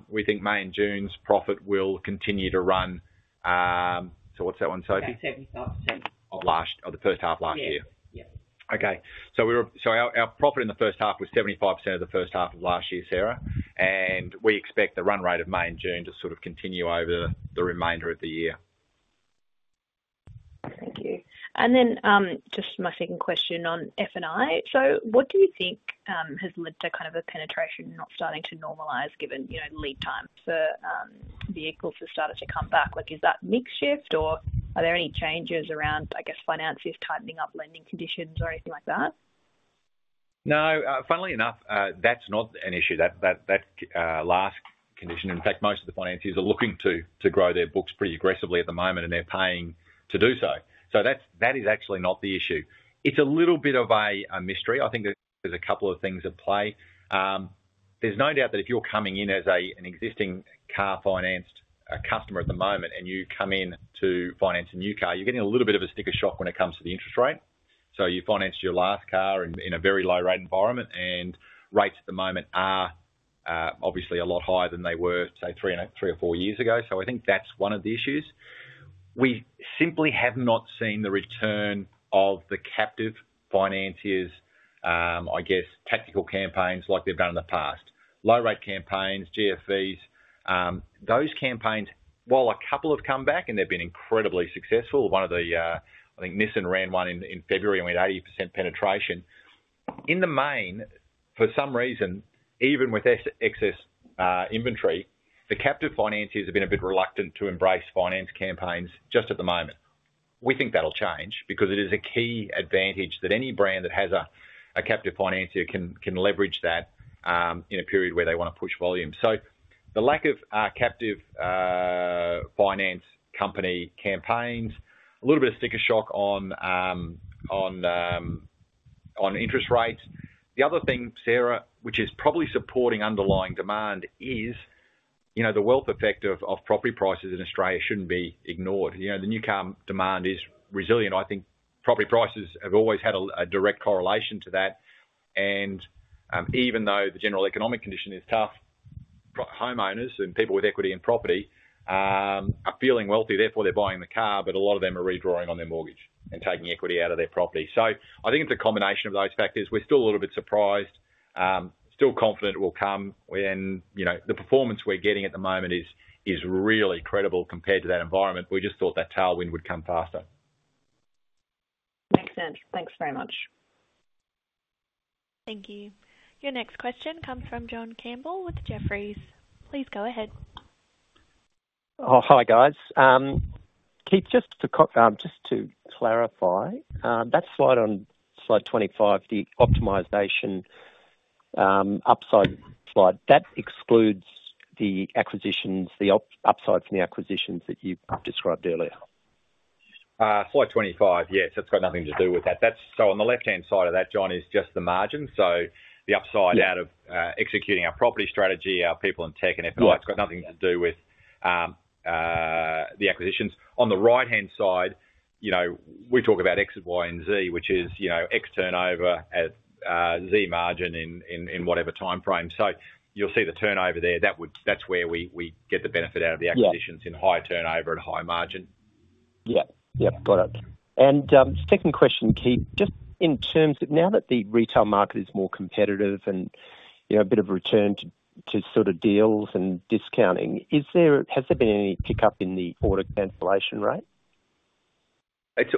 We think May and June's profit will continue to run. So what's that one, Sophie? About 75%. Of the first half last year? Yes. Yep. Okay. So our profit in the first half was 75% of the first half of last year, Sarah, and we expect the run rate of May and June to sort of continue over the remainder of the year. Thank you. And then, just my second question on F&I. So what do you think, has led to kind of a penetration not starting to normalize given, you know, lead time for, vehicles to start to come back? Like, is that mix shift or are there any changes around, I guess, financiers tightening up lending conditions or anything like that? No, funnily enough, that's not an issue, that last condition. In fact, most of the financiers are looking to grow their books pretty aggressively at the moment, and they're paying to do so. So that's, that is actually not the issue. It's a little bit of a mystery. I think there's a couple of things at play. There's no doubt that if you're coming in as an existing car financed customer at the moment, and you come in to finance a new car, you're getting a little bit of a sticker shock when it comes to the interest rate. So you financed your last car in a very low rate environment, and rates at the moment are obviously a lot higher than they were, say, three or four years ago. So I think that's one of the issues. We simply have not seen the return of the captive financiers', I guess, tactical campaigns like they've done in the past. Low rate campaigns, GFVs, those campaigns, while a couple have come back and they've been incredibly successful, one of the, I think Nissan ran one in February and we had 80% penetration. In the main, for some reason, even with excess, inventory, the captive financiers have been a bit reluctant to embrace finance campaigns just at the moment. We think that'll change because it is a key advantage that any brand that has a captive financier can leverage that, in a period where they wanna push volume. So the lack of, captive finance company campaigns, a little bit of sticker shock on, on interest rates. The other thing, Sarah, which is probably supporting underlying demand is, you know, the wealth effect of property prices in Australia shouldn't be ignored. You know, the new car demand is resilient. I think property prices have always had a direct correlation to that, and even though the general economic condition is tough, homeowners and people with equity and property are feeling wealthy, therefore they're buying the car, but a lot of them are redrawing on their mortgage and taking equity out of their property. So I think it's a combination of those factors. We're still a little bit surprised, still confident it will come when, you know, the performance we're getting at the moment is really credible compared to that environment. We just thought that tailwind would come faster.... Makes sense. Thanks very much. Thank you. Your next question comes from John Campbell with Jefferies. Please go ahead. Oh, hi, guys. Keith, just to clarify, that slide on slide twenty-five, the optimization, upside slide, that excludes the acquisitions, the upsides from the acquisitions that you've described earlier? Slide 25. Yes, that's got nothing to do with that. So on the left-hand side of that, John, is just the margin. So the upside- Yeah. out of executing our property strategy, our people in tech and F&I, it's got nothing to do with the acquisitions. On the right-hand side, you know, we talk about X and Y and Z, which is, you know, X turnover at Z margin in whatever time frame. So you'll see the turnover there. That would, that's where we get the benefit out of the acquisitions. Yeah. in higher turnover at a higher margin. Yeah. Yep, got it. And second question, Keith. Just in terms of now that the retail market is more competitive and, you know, a bit of a return to sort of deals and discounting, is there, has there been any pickup in the order cancellation rate? It's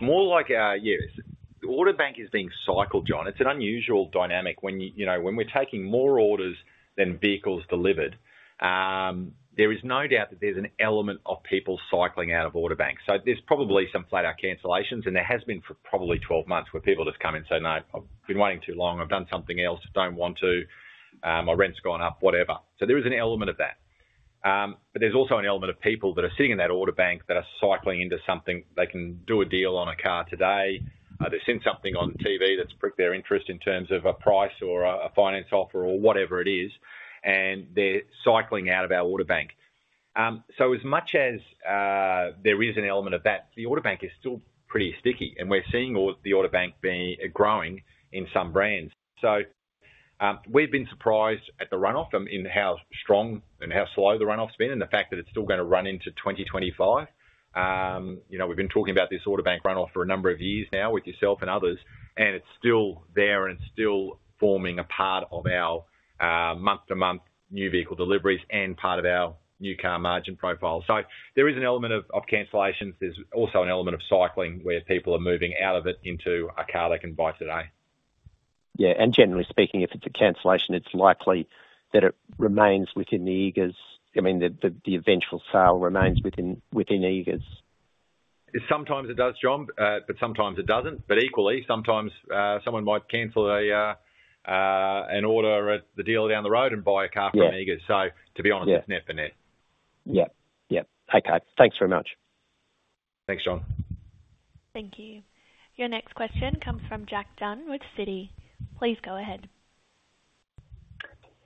more like, yes. The order bank is being cycled, John. It's an unusual dynamic when you, you know, when we're taking more orders than vehicles delivered. There is no doubt that there's an element of people cycling out of order bank. So there's probably some flat out cancellations, and there has been for probably twelve months, where people just come in and say, "No, I've been waiting too long, I've done something else, don't want to, my rent's gone up," whatever. So there is an element of that. But there's also an element of people that are sitting in that order bank that are cycling into something. They can do a deal on a car today. They've seen something on TV that's perked their interest in terms of a price or a finance offer or whatever it is, and they're cycling out of our order bank. So as much as there is an element of that, the order bank is still pretty sticky, and we're seeing all the order bank be growing in some brands. So we've been surprised at the runoff in how strong and how slow the runoff's been, and the fact that it's still gonna run into 2025. You know, we've been talking about this order bank runoff for a number of years now with yourself and others, and it's still there, and it's still forming a part of our month-to-month new vehicle deliveries and part of our new car margin profile. So there is an element of cancellations. There's also an element of cycling, where people are moving out of it into a car they can buy today. Yeah, and generally speaking, if it's a cancellation, it's likely that it remains within the Eagers. I mean, the eventual sale remains within Eagers. Sometimes it does, John, but sometimes it doesn't. But equally, sometimes someone might cancel an order at the dealer down the road and buy a car from Eagers. Yeah. To be honest, it's net to net. Yep. Yep. Okay. Thanks very much. Thanks, John. Thank you. Your next question comes from Jack Dunn with Citi. Please go ahead.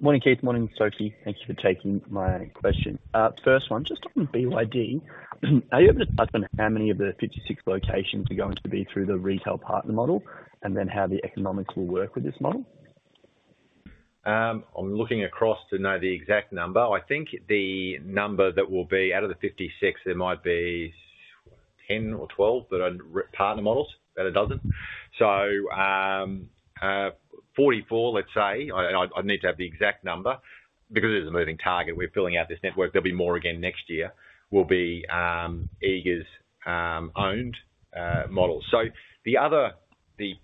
Morning, Keith. Morning, Sophie. Thank you for taking my question. First one, just on BYD, are you able to touch on how many of the fifty-six locations are going to be through the retail partner model, and then how the economics will work with this model? I'm looking across to know the exact number. I think the number that will be out of the 56, there might be 10 or 12 that are retail partner models, about a dozen. 44, let's say, and I need to have the exact number because it's a moving target. We're filling out this network. There'll be more again next year, Eagers' owned models. The other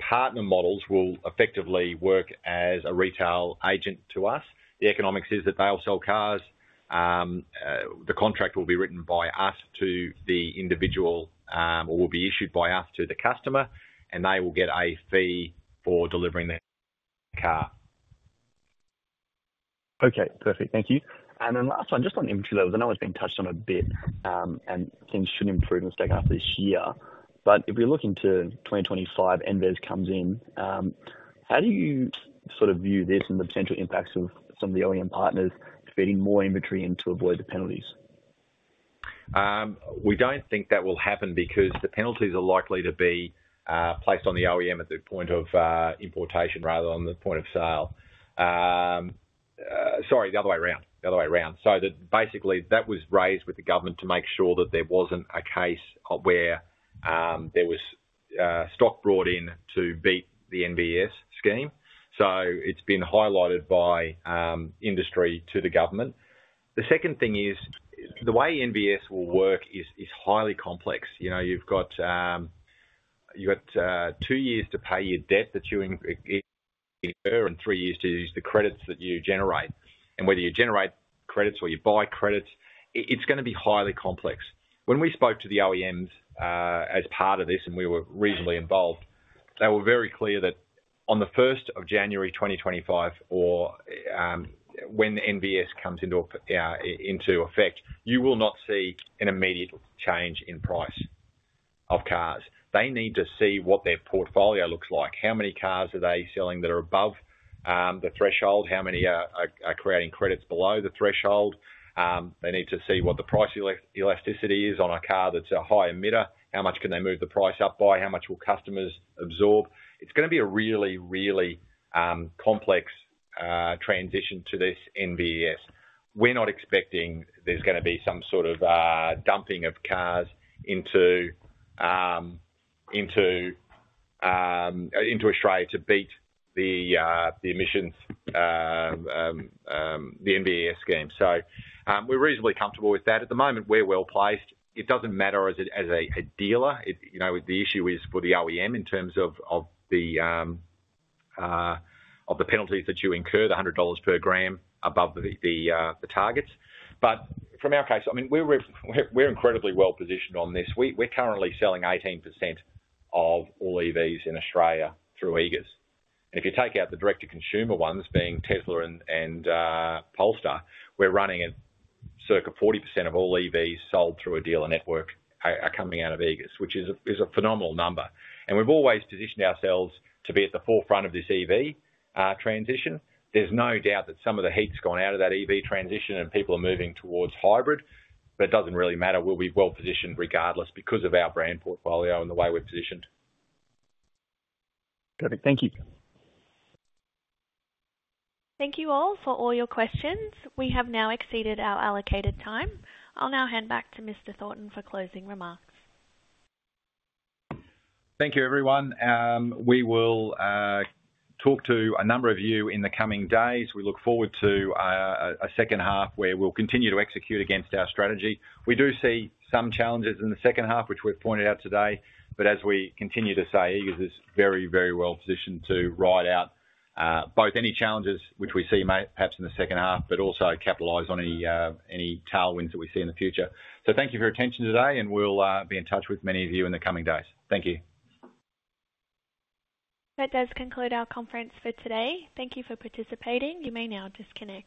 partner models will effectively work as a retail agent to us. The economics is that they'll sell cars. The contract will be written by us to the individual, or will be issued by us to the customer, and they will get a fee for delivering that car. Okay, perfect. Thank you. And then last one, just on inventory levels, I know it's been touched on a bit, and things should improve and stack up this year, but if you're looking to 2025, NVES comes in, how do you sort of view this and the potential impacts of some of the OEM partners feeding more inventory in to avoid the penalties? We don't think that will happen because the penalties are likely to be placed on the OEM at the point of importation rather than the point of sale. Sorry, the other way around. The other way around. So basically that was raised with the government to make sure that there wasn't a case of where there was stock brought in to beat the NVES scheme. So it's been highlighted by industry to the government. The second thing is, the way NVES will work is highly complex. You know, you've got two years to pay your debt that you incur, and three years to use the credits that you generate. And whether you generate credits or you buy credits, it's gonna be highly complex. When we spoke to the OEMs, as part of this, and we were reasonably involved, they were very clear that on the first of January 2025 or, when the NVES comes into effect, you will not see an immediate change in price of cars. They need to see what their portfolio looks like, how many cars are they selling that are above the threshold? How many are creating credits below the threshold? They need to see what the price elasticity is on a car that's a high emitter. How much can they move the price up by? How much will customers absorb? It's gonna be a really, really complex transition to this NVES. We're not expecting there's gonna be some sort of dumping of cars into Australia to beat the emissions the NVES scheme. So, we're reasonably comfortable with that. At the moment, we're well-placed. It doesn't matter as a dealer. You know, the issue is for the OEM in terms of the penalties that you incur, the $100 per gram above the targets. But from our case, I mean, we're incredibly well-positioned on this. We're currently selling 18% of all EVs in Australia through Eagers. If you take out the direct-to-consumer ones, being Tesla and Polestar, we're running at circa 40% of all EVs sold through a dealer network are coming out of Eagers, which is a phenomenal number. We've always positioned ourselves to be at the forefront of this EV transition. There's no doubt that some of the heat's gone out of that EV transition and people are moving towards hybrid, but it doesn't really matter. We'll be well-positioned regardless because of our brand portfolio and the way we're positioned. Got it. Thank you. Thank you all for all your questions. We have now exceeded our allocated time. I'll now hand back to Mr. Thornton for closing remarks. Thank you, everyone. We will talk to a number of you in the coming days. We look forward to a second half, where we'll continue to execute against our strategy. We do see some challenges in the second half, which we've pointed out today, but as we continue to say, Eagers is very, very well positioned to ride out both any challenges which we see may perhaps in the second half, but also capitalize on any tailwinds that we see in the future. So thank you for your attention today, and we'll be in touch with many of you in the coming days. Thank you. That does conclude our conference for today. Thank you for participating. You may now disconnect.